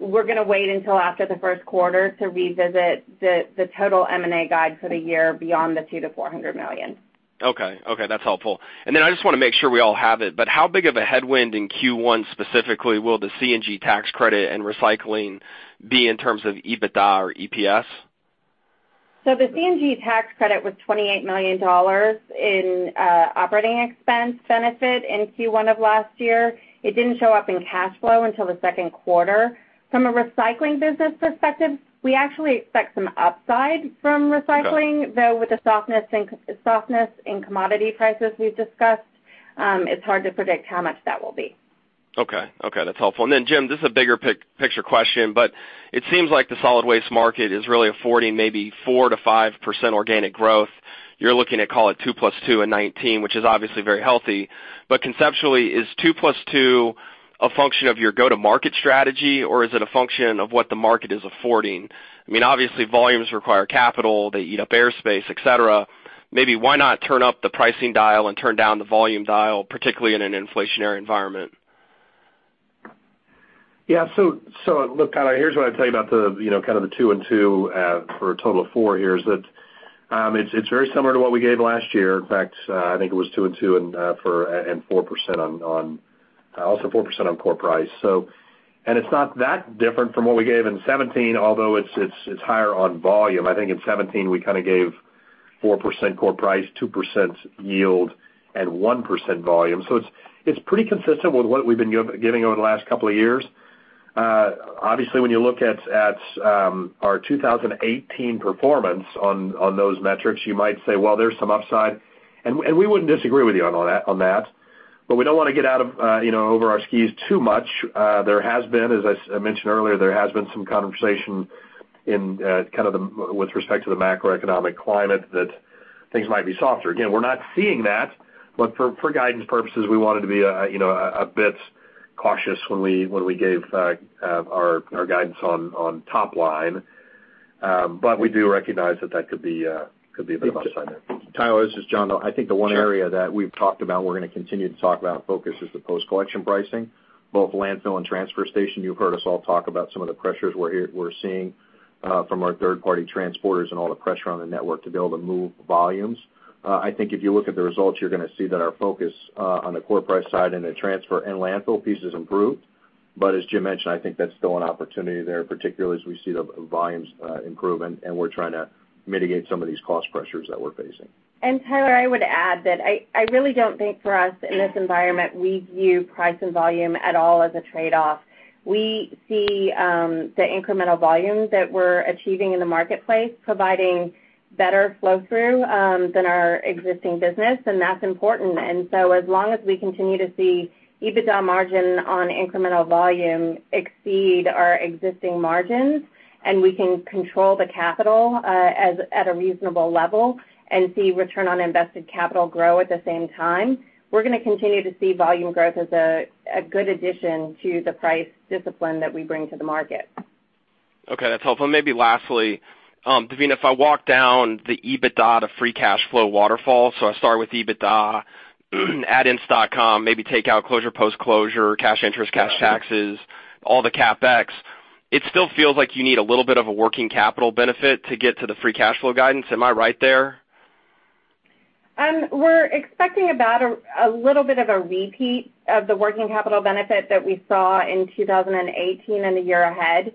We're going to wait until after the first quarter to revisit the total M&A guide for the year beyond the $200 million-$400 million. Okay. That's helpful. I just want to make sure we all have it, but how big of a headwind in Q1 specifically will the CNG tax credit and recycling be in terms of EBITDA or EPS? The CNG tax credit was $28 million in operating expense benefit in Q1 of last year. It didn't show up in cash flow until the second quarter. From a recycling business perspective, we actually expect some upside from recycling- Okay though with the softness in commodity prices we've discussed, it's hard to predict how much that will be. Okay. That's helpful. Jim, this is a bigger picture question, but it seems like the solid waste market is really affording maybe 4%-5% organic growth. You're looking at, call it, two plus two in 2019, which is obviously very healthy. Conceptually, is two plus two a function of your go-to-market strategy, or is it a function of what the market is affording? Obviously, volumes require capital. They eat up airspace, et cetera. Maybe why not turn up the pricing dial and turn down the volume dial, particularly in an inflationary environment? Look, Tyler, here's what I'd tell you about the two and two for a total of four here, is that it's very similar to what we gave last year. In fact, I think it was two and two and also 4% on core price. It's not that different from what we gave in 2017, although it's higher on volume. I think in 2017, we gave 4% core price, 2% yield, and 1% volume. It's pretty consistent with what we've been giving over the last couple of years. Obviously, when you look at our 2018 performance on those metrics, you might say, "Well, there's some upside." We wouldn't disagree with you on that, but we don't want to get out of over our skis too much. As I mentioned earlier, there has been some conversation with respect to the macroeconomic climate that things might be softer. Again, we're not seeing that, for guidance purposes, we wanted to be a bit cautious when we gave our guidance on top line. We do recognize that that could be a bit of upside there. Tyler, this is John. I think the one area that we've talked about, and we're going to continue to talk about and focus, is the post-collection pricing, both landfill and transfer station. You've heard us all talk about some of the pressures we're seeing from our third-party transporters and all the pressure on the network to be able to move volumes. I think if you look at the results, you're going to see that our focus on the core price side and the transfer and landfill piece is improved. As Jim mentioned, I think that's still an opportunity there, particularly as we see the volumes improve and we're trying to mitigate some of these cost pressures that we're facing. Tyler, I would add that I really don't think for us in this environment, we view price and volume at all as a trade-off. We see the incremental volumes that we're achieving in the marketplace providing better flow through than our existing business, and that's important. As long as we continue to see EBITDA margin on incremental volume exceed our existing margins, and we can control the capital at a reasonable level and see return on invested capital grow at the same time, we're going to continue to see volume growth as a good addition to the price discipline that we bring to the market. Okay, that's helpful. Maybe lastly, Devina, if I walk down the EBITDA to free cash flow waterfall, I start with EBITDA, add, [inaudible] maybe take out closure, post-closure, cash interest, cash taxes, all the CapEx, it still feels like you need a little bit of a working capital benefit to get to the free cash flow guidance. Am I right there? We're expecting about a little bit of a repeat of the working capital benefit that we saw in 2018 and the year ahead.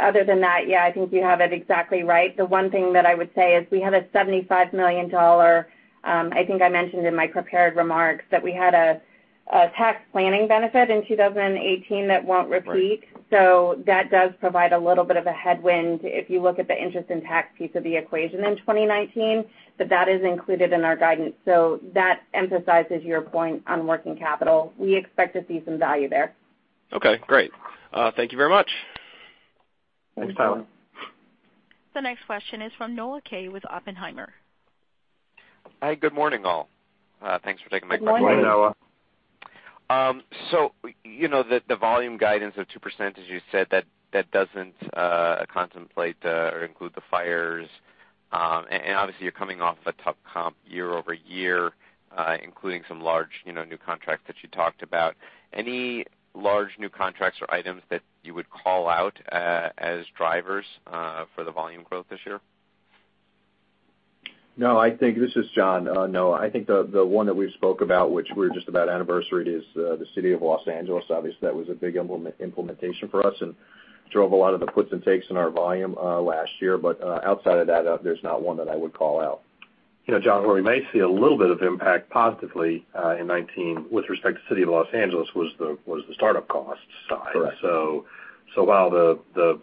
Other than that, yeah, I think you have it exactly right. The one thing that I would say is we have a $75 million, I think I mentioned in my prepared remarks, that we had a tax planning benefit in 2018 that won't repeat. That does provide a little bit of a headwind if you look at the interest and tax piece of the equation in 2019. That is included in our guidance. That emphasizes your point on working capital. We expect to see some value there. Okay, great. Thank you very much. Thanks, Tyler. The next question is from Noah Kaye with Oppenheimer. Hi, good morning, all. Thanks for taking my question. Good morning, Noah. The volume guidance of 2%, as you said, that doesn't contemplate or include the fires. Obviously you're coming off a tough comp year-over-year, including some large new contracts that you talked about. Any large new contracts or items that you would call out as drivers for the volume growth this year? No, this is John. Noah, I think the one that we've spoke about, which we're just about anniversary, is the City of Los Angeles. Obviously, that was a big implementation for us and drove a lot of the puts and takes in our volume last year. Outside of that, there's not one that I would call out. John, where we may see a little bit of impact positively in 2019 with respect to City of Los Angeles was the startup cost side. Correct. While the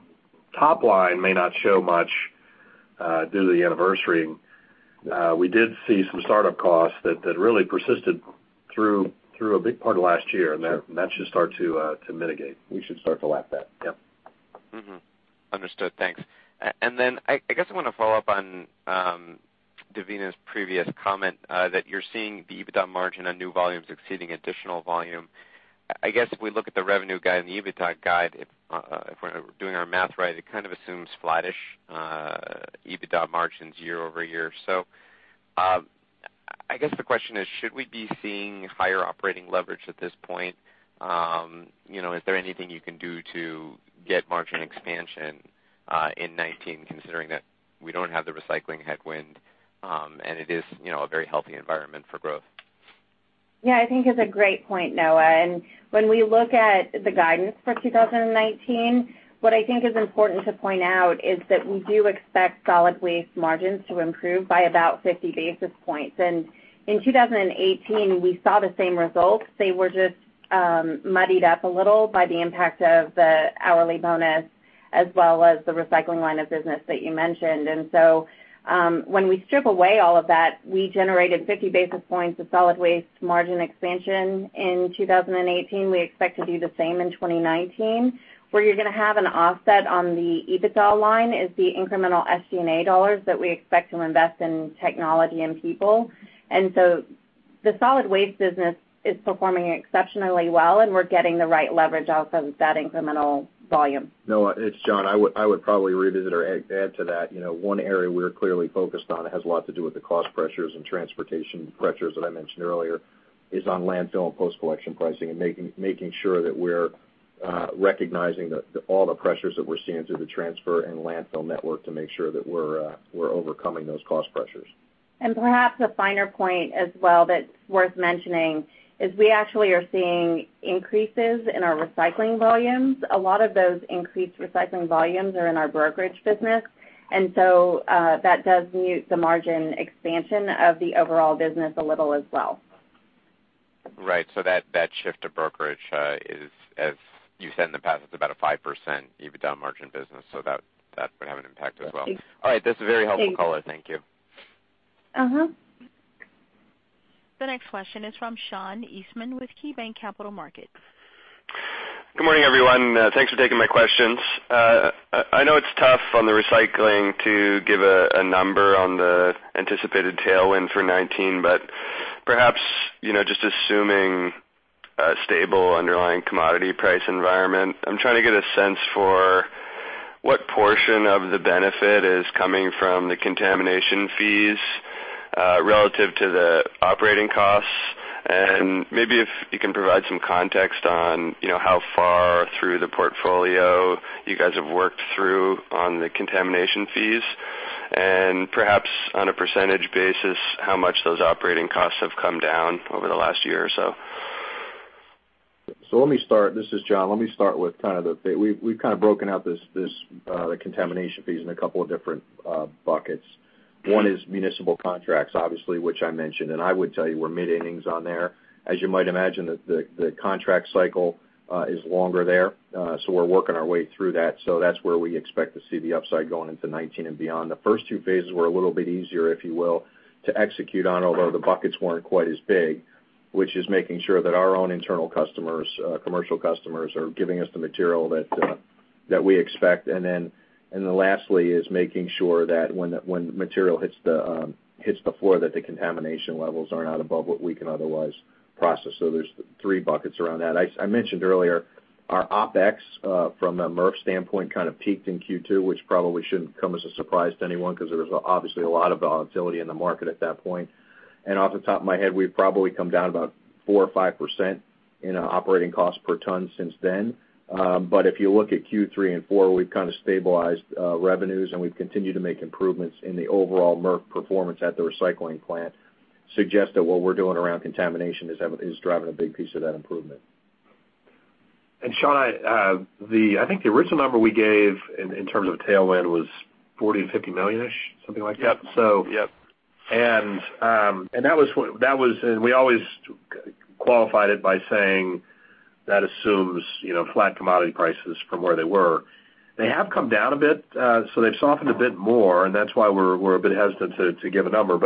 top line may not show much due to the anniversary, we did see some startup costs that really persisted through a big part of last year, and that should start to mitigate. We should start to lap that. Yep. Understood. Thanks. I guess I want to follow up on Devina Rankin's previous comment that you're seeing the EBITDA margin on new volumes exceeding additional volume. I guess if we look at the revenue guide and the EBITDA guide, if we're doing our math right, it kind of assumes flattish EBITDA margins year-over-year. I guess the question is, should we be seeing higher operating leverage at this point? Is there anything you can do to get margin expansion in 2019, considering that we don't have the recycling headwind, and it is a very healthy environment for growth? Yeah, I think it's a great point, Noah Kaye. When we look at the guidance for 2019, what I think is important to point out is that we do expect solid waste margins to improve by about 50 basis points. In 2018, we saw the same results. They were just muddied up a little by the impact of the hourly bonus, as well as the recycling line of business that you mentioned. When we strip away all of that, we generated 50 basis points of solid waste margin expansion in 2018. We expect to do the same in 2019. Where you're going to have an offset on the EBITDA line is the incremental SG&A dollars that we expect to invest in technology and people. The solid waste business is performing exceptionally well, and we're getting the right leverage out of that incremental volume. Noah Kaye, it's John Morris. I would probably revisit or add to that. One area we're clearly focused on, it has a lot to do with the cost pressures and transportation pressures that I mentioned earlier, is on landfill and post-collection pricing and making sure that we're recognizing all the pressures that we're seeing through the transfer and landfill network to make sure that we're overcoming those cost pressures. Perhaps a finer point as well that's worth mentioning is we actually are seeing increases in our recycling volumes. A lot of those increased recycling volumes are in our brokerage business, that does mute the margin expansion of the overall business a little as well. Right. That shift to brokerage is, as you said in the past, it is about a 5% EBITDA margin business, so that would have an impact as well. Yes. All right. This was a very helpful call. Thank you. The next question is from Sean Eastman with KeyBanc Capital Markets. Good morning, everyone. Thanks for taking my questions. I know it is tough on the recycling to give a number on the anticipated tailwind for 2019, but perhaps, just assuming a stable underlying commodity price environment, I am trying to get a sense for what portion of the benefit is coming from the contamination fees relative to the operating costs. Maybe if you can provide some context on how far through the portfolio you guys have worked through on the contamination fees. Perhaps on a percentage basis, how much those operating costs have come down over the last year or so. Let me start, this is John. We've kind of broken out the contamination fees in a couple of different buckets. One is municipal contracts, obviously, which I mentioned. I would tell you we're mid-innings on there. As you might imagine, the contract cycle is longer there. We're working our way through that. That's where we expect to see the upside going into 2019 and beyond. The first two phases were a little bit easier, if you will, to execute on, although the buckets weren't quite as big, which is making sure that our own internal customers, commercial customers, are giving us the material that we expect. Lastly is making sure that when material hits the floor, that the contamination levels are not above what we can otherwise process. There's three buckets around that. I mentioned earlier our OpEx, from a MRF standpoint, kind of peaked in Q2, which probably shouldn't come as a surprise to anyone because there was obviously a lot of volatility in the market at that point. Off the top of my head, we've probably come down about 4% or 5% in operating cost per ton since then. If you look at Q3 and 4, we've kind of stabilized revenues. We've continued to make improvements in the overall MRF performance at the recycling plant, suggest that what we're doing around contamination is driving a big piece of that improvement. Sean, I think the original number we gave in terms of tailwind was $40 million, $50 million-ish, something like that? Yep. We always qualified it by saying that assumes flat commodity prices from where they were. They have come down a bit. They've softened a bit more. That's why we're a bit hesitant to give a number.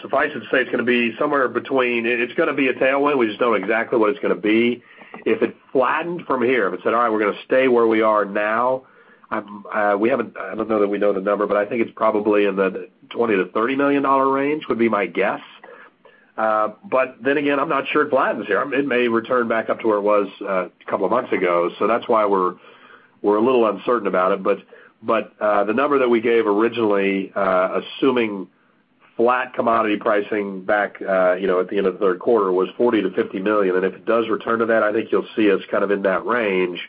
Suffice it to say, it's going to be a tailwind. We just don't know exactly what it's going to be. If it flattened from here, if it said, all right, we're going to stay where we are now, I don't know that we know the number. I think it's probably in the $20 million-$30 million range, would be my guess. Again, I'm not sure it flattens here. It may return back up to where it was a couple of months ago. That's why we're a little uncertain about it. The number that we gave originally, assuming flat commodity pricing back at the end of the third quarter was $40 million to $50 million. If it does return to that, I think you'll see us kind of in that range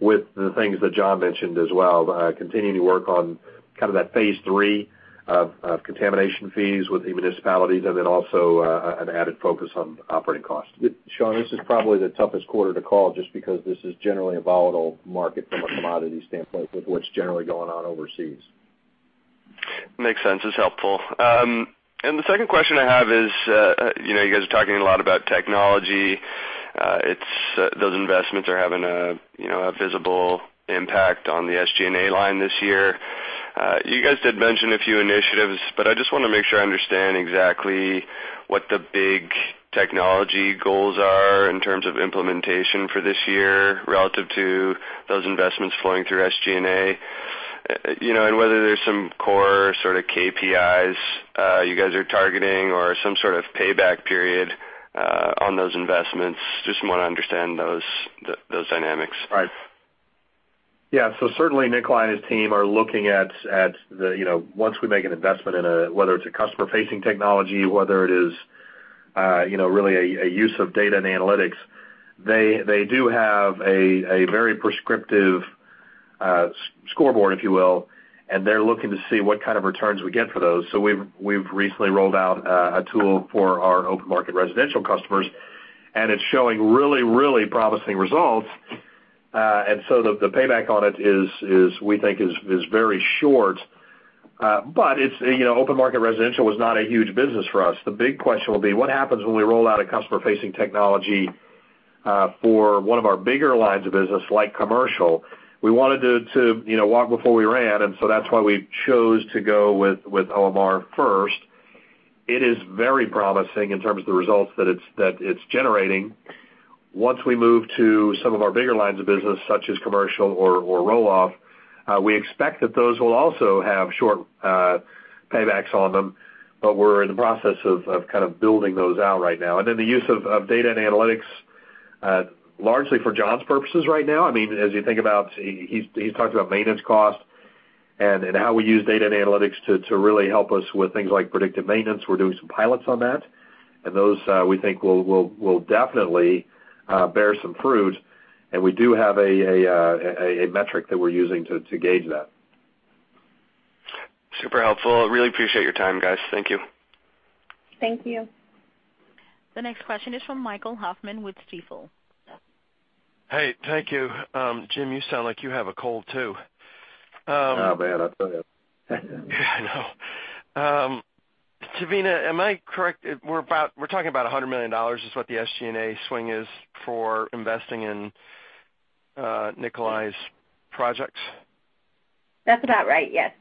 with the things that John mentioned as well, continuing to work on kind of that phase 3 of contamination fees with the municipalities, and then also an added focus on operating costs. Sean, this is probably the toughest quarter to call just because this is generally a volatile market from a commodity standpoint with what's generally going on overseas. Makes sense. It's helpful. The second question I have is, you guys are talking a lot about technology. Those investments are having a visible impact on the SG&A line this year. You guys did mention a few initiatives, but I just want to make sure I understand exactly what the big technology goals are in terms of implementation for this year relative to those investments flowing through SG&A. Whether there's some core sort of KPIs you guys are targeting or some sort of payback period on those investments. Just want to understand those dynamics. Right. Yeah. Certainly, Nikolaj and his team are looking at once we make an investment in a, whether it's a customer-facing technology, whether it is really a use of data and analytics, they do have a very prescriptive scoreboard, if you will, they're looking to see what kind of returns we get for those. We've recently rolled out a tool for our open market residential customers, it's showing really promising results. The payback on it we think is very short. Open market residential was not a huge business for us. The big question will be, what happens when we roll out a customer-facing technology for one of our bigger lines of business, like commercial? We wanted to walk before we ran, that's why we chose to go with OMR first. It is very promising in terms of the results that it's generating. Once we move to some of our bigger lines of business, such as commercial or roll-off, we expect that those will also have short paybacks on them, but we're in the process of kind of building those out right now. The use of data and analytics, largely for John's purposes right now. As you think about, he's talked about maintenance costs and how we use data and analytics to really help us with things like predictive maintenance. We're doing some pilots on that. Those, we think, will definitely bear some fruit. We do have a metric that we're using to gauge that. Super helpful. Really appreciate your time, guys. Thank you. Thank you. The next question is from Michael Hoffman with Stifel. Hey, thank you. Jim, you sound like you have a cold too. Oh, man. I tell you. Yeah, I know. Devina, am I correct? We're talking about $100 million is what the SG&A swing is for investing in Nikolaj's projects. That's about right, yes.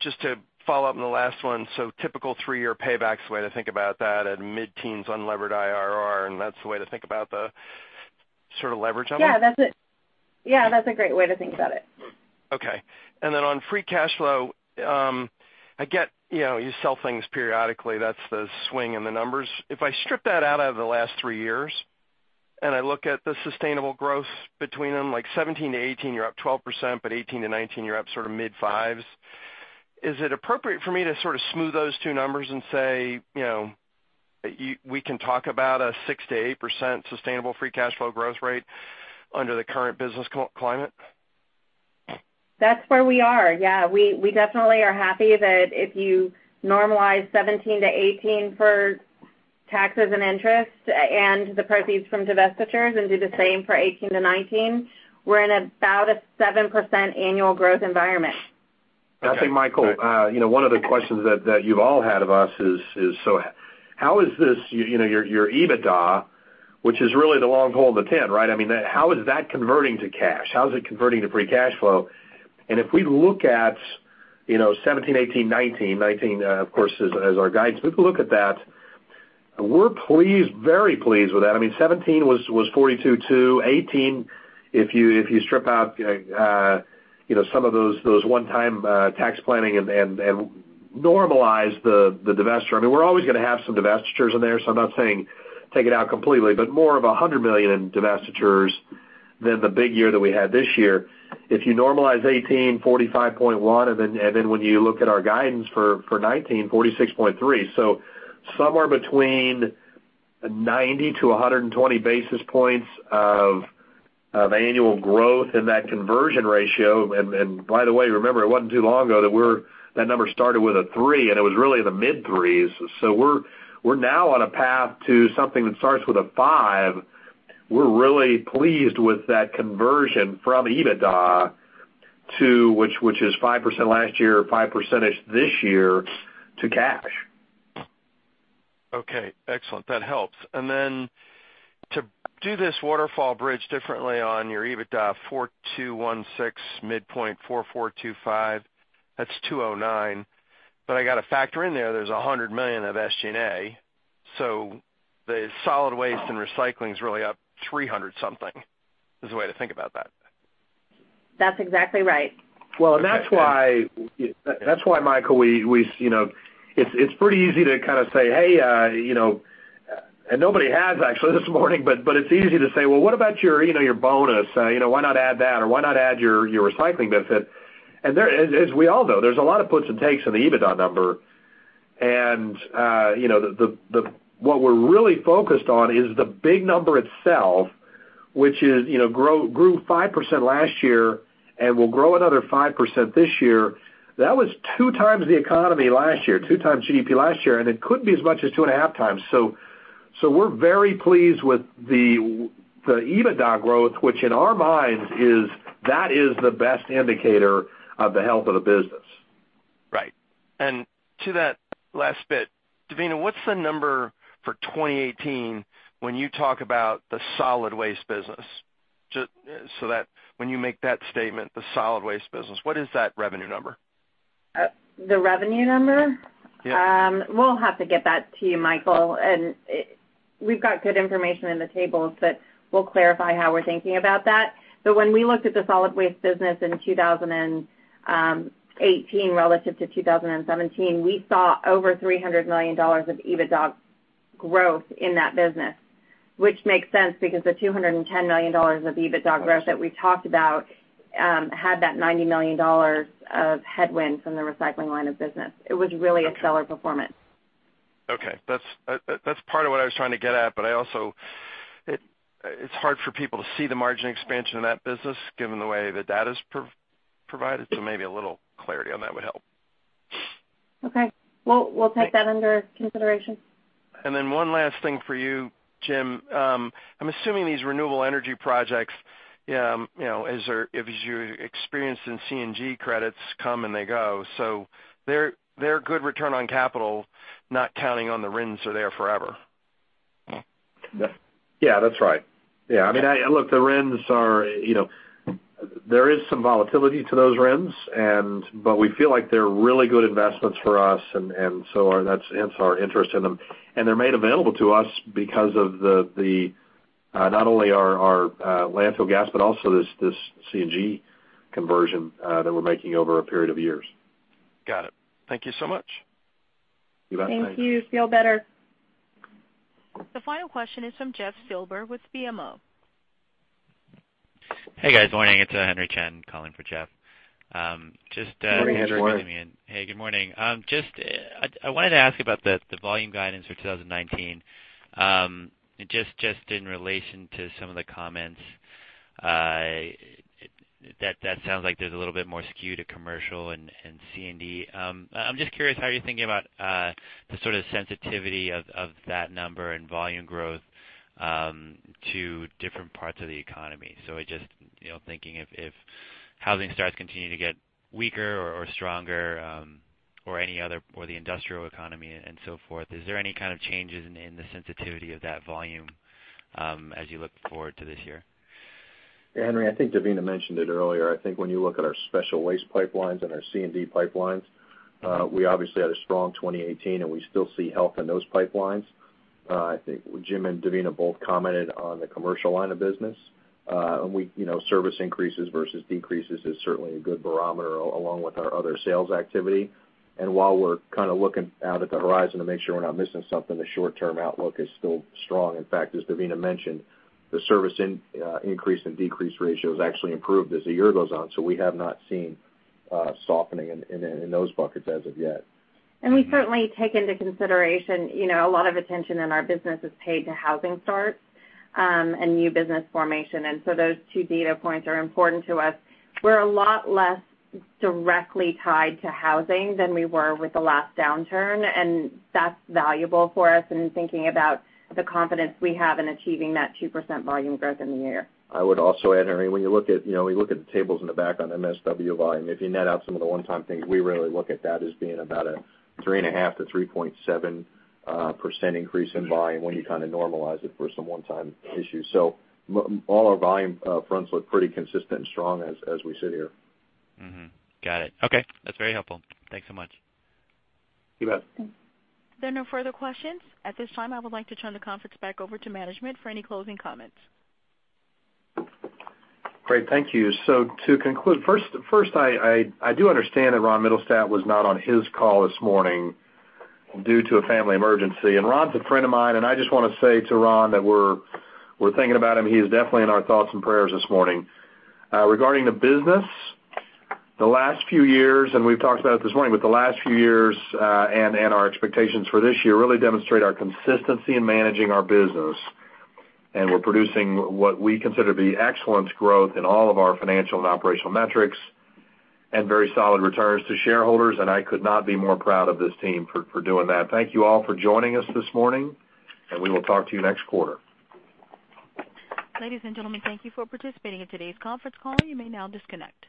Just to follow up on the last one, so typical three-year paybacks way to think about that at mid-teens unlevered IRR, and that's the way to think about the sort of leverage on that? Yeah, that's a great way to think about it. Okay. Then on free cash flow, I get you sell things periodically. That's the swing in the numbers. If I strip that out of the last three years, and I look at the sustainable growth between them, like 2017 to 2018, you're up 12%, but 2018 to 2019, you're up sort of mid-5s. Is it appropriate for me to sort of smooth those two numbers and say, we can talk about a 6%-8% sustainable free cash flow growth rate under the current business climate? That's where we are, yeah. We definitely are happy that if you normalize 2017 to 2018 for taxes and interest and the proceeds from divestitures and do the same for 2018 to 2019, we're in about a 7% annual growth environment. I'll say, Michael, one of the questions that you've all had of us is: How is this, your EBITDA, which is really the long hole in the tent, right? How is that converting to cash? How is it converting to free cash flow? If we look at 2017, 2018, 2019, of course, as our guidance, we can look at that. We're very pleased with that. 2017 was 42.2. 2018, if you strip out some of those one-time tax planning and normalize the divestiture. We're always going to have some divestitures in there, so I'm not saying take it out completely, but more of $100 million in divestitures than the big year that we had this year. If you normalize 2018, 45.1, then when you look at our guidance for 2019, 46.3. Somewhere between 90 to 120 basis points of annual growth in that conversion ratio. By the way, remember, it wasn't too long ago that number started with a three, and it was really the mid-threes. We're now on a path to something that starts with a five. We're really pleased with that conversion from EBITDA, which is 5% last year, 5% this year, to cash. Okay, excellent. That helps. Then to do this waterfall bridge differently on your EBITDA $4,216 midpoint $4,425, that's $209. I got to factor in there's $100 million of SG&A, so the solid waste and recycling is really up 300 something, is the way to think about that. That's exactly right. That's why, Michael, it's pretty easy to kind of say, hey, and nobody has actually this morning, but it's easy to say, "Well, what about your bonus? Why not add that?" Or, "Why not add your recycling benefit?" As we all know, there's a lot of puts and takes in the EBITDA number. What we're really focused on is the big number itself, which grew 5% last year and will grow another 5% this year. That was two times the economy last year, two times GDP last year, and it could be as much as two and a half times. We're very pleased with the EBITDA growth, which in our minds is the best indicator of the health of the business. Right. To that last bit, Devina, what's the number for 2018 when you talk about the solid waste business? That when you make that statement, the solid waste business, what is that revenue number? The revenue number? Yeah. We'll have to get that to you, Michael. We've got good information in the tables, but we'll clarify how we're thinking about that. When we looked at the solid waste business in 2018 relative to 2017, we saw over $300 million of EBITDA growth in that business, which makes sense because the $210 million of EBITDA growth that we talked about had that $90 million of headwind from the recycling line of business. It was really a stellar performance. Okay. That's part of what I was trying to get at. Also, it's hard for people to see the margin expansion in that business, given the way the data's provided. Maybe a little clarity on that would help. Okay. We'll take that under consideration. One last thing for you, Jim. I'm assuming these renewable energy projects, as your experience in CNG credits come and they go, so they're good return on capital, not counting on the RINs are there forever. Yeah, that's right. Look, there is some volatility to those RINs, but we feel like they're really good investments for us, and hence our interest in them. They're made available to us because of not only our landfill gas, but also this CNG conversion that we're making over a period of years. Got it. Thank you so much. You bet. Thanks. Thank you. Feel better. The final question is from Jeff Silber with BMO. Hey, guys. Morning. It's Henry Chen calling for Jeff. Morning, Henry. Hey, good morning. I wanted to ask about the volume guidance for 2019, just in relation to some of the comments. That sounds like there's a little bit more skew to commercial and C&D. I'm just curious, how are you thinking about the sort of sensitivity of that number and volume growth to different parts of the economy? Just thinking if housing starts continuing to get weaker or stronger, or the industrial economy and so forth, is there any kind of changes in the sensitivity of that volume as you look forward to this year? Henry, I think Devina mentioned it earlier. I think when you look at our special waste pipelines and our C&D pipelines, we obviously had a strong 2018, and we still see health in those pipelines. I think Jim and Devina both commented on the commercial line of business. Service increases versus decreases is certainly a good barometer, along with our other sales activity. While we're kind of looking out at the horizon to make sure we're not missing something, the short-term outlook is still strong. In fact, as Devina mentioned, the service increase and decrease ratio has actually improved as the year goes on. We have not seen softening in those buckets as of yet. We certainly take into consideration a lot of attention in our business is paid to housing starts and new business formation. Those two data points are important to us. We're a lot less directly tied to housing than we were with the last downturn, and that's valuable for us in thinking about the confidence we have in achieving that 2% volume growth in the year. I would also add, Henry, when you look at the tables in the back on MSW volume, if you net out some of the one-time things, we really look at that as being about a 3.5%-3.7% increase in volume when you kind of normalize it for some one-time issues. All our volume fronts look pretty consistent and strong as we sit here. Got it. Okay. That's very helpful. Thanks so much. You bet. Thanks. There are no further questions. At this time, I would like to turn the conference back over to management for any closing comments. Great. Thank you. To conclude, first, I do understand that Ron Mittelstadt was not on his call this morning due to a family emergency. Ron's a friend of mine, I just want to say to Ron that we're thinking about him. He is definitely in our thoughts and prayers this morning. Regarding the business, the last few years, and we've talked about it this morning, but the last few years, and our expectations for this year really demonstrate our consistency in managing our business. We're producing what we consider to be excellent growth in all of our financial and operational metrics and very solid returns to shareholders. I could not be more proud of this team for doing that. Thank you all for joining us this morning, We will talk to you next quarter. Ladies and gentlemen, thank you for participating in today's conference call. You may now disconnect.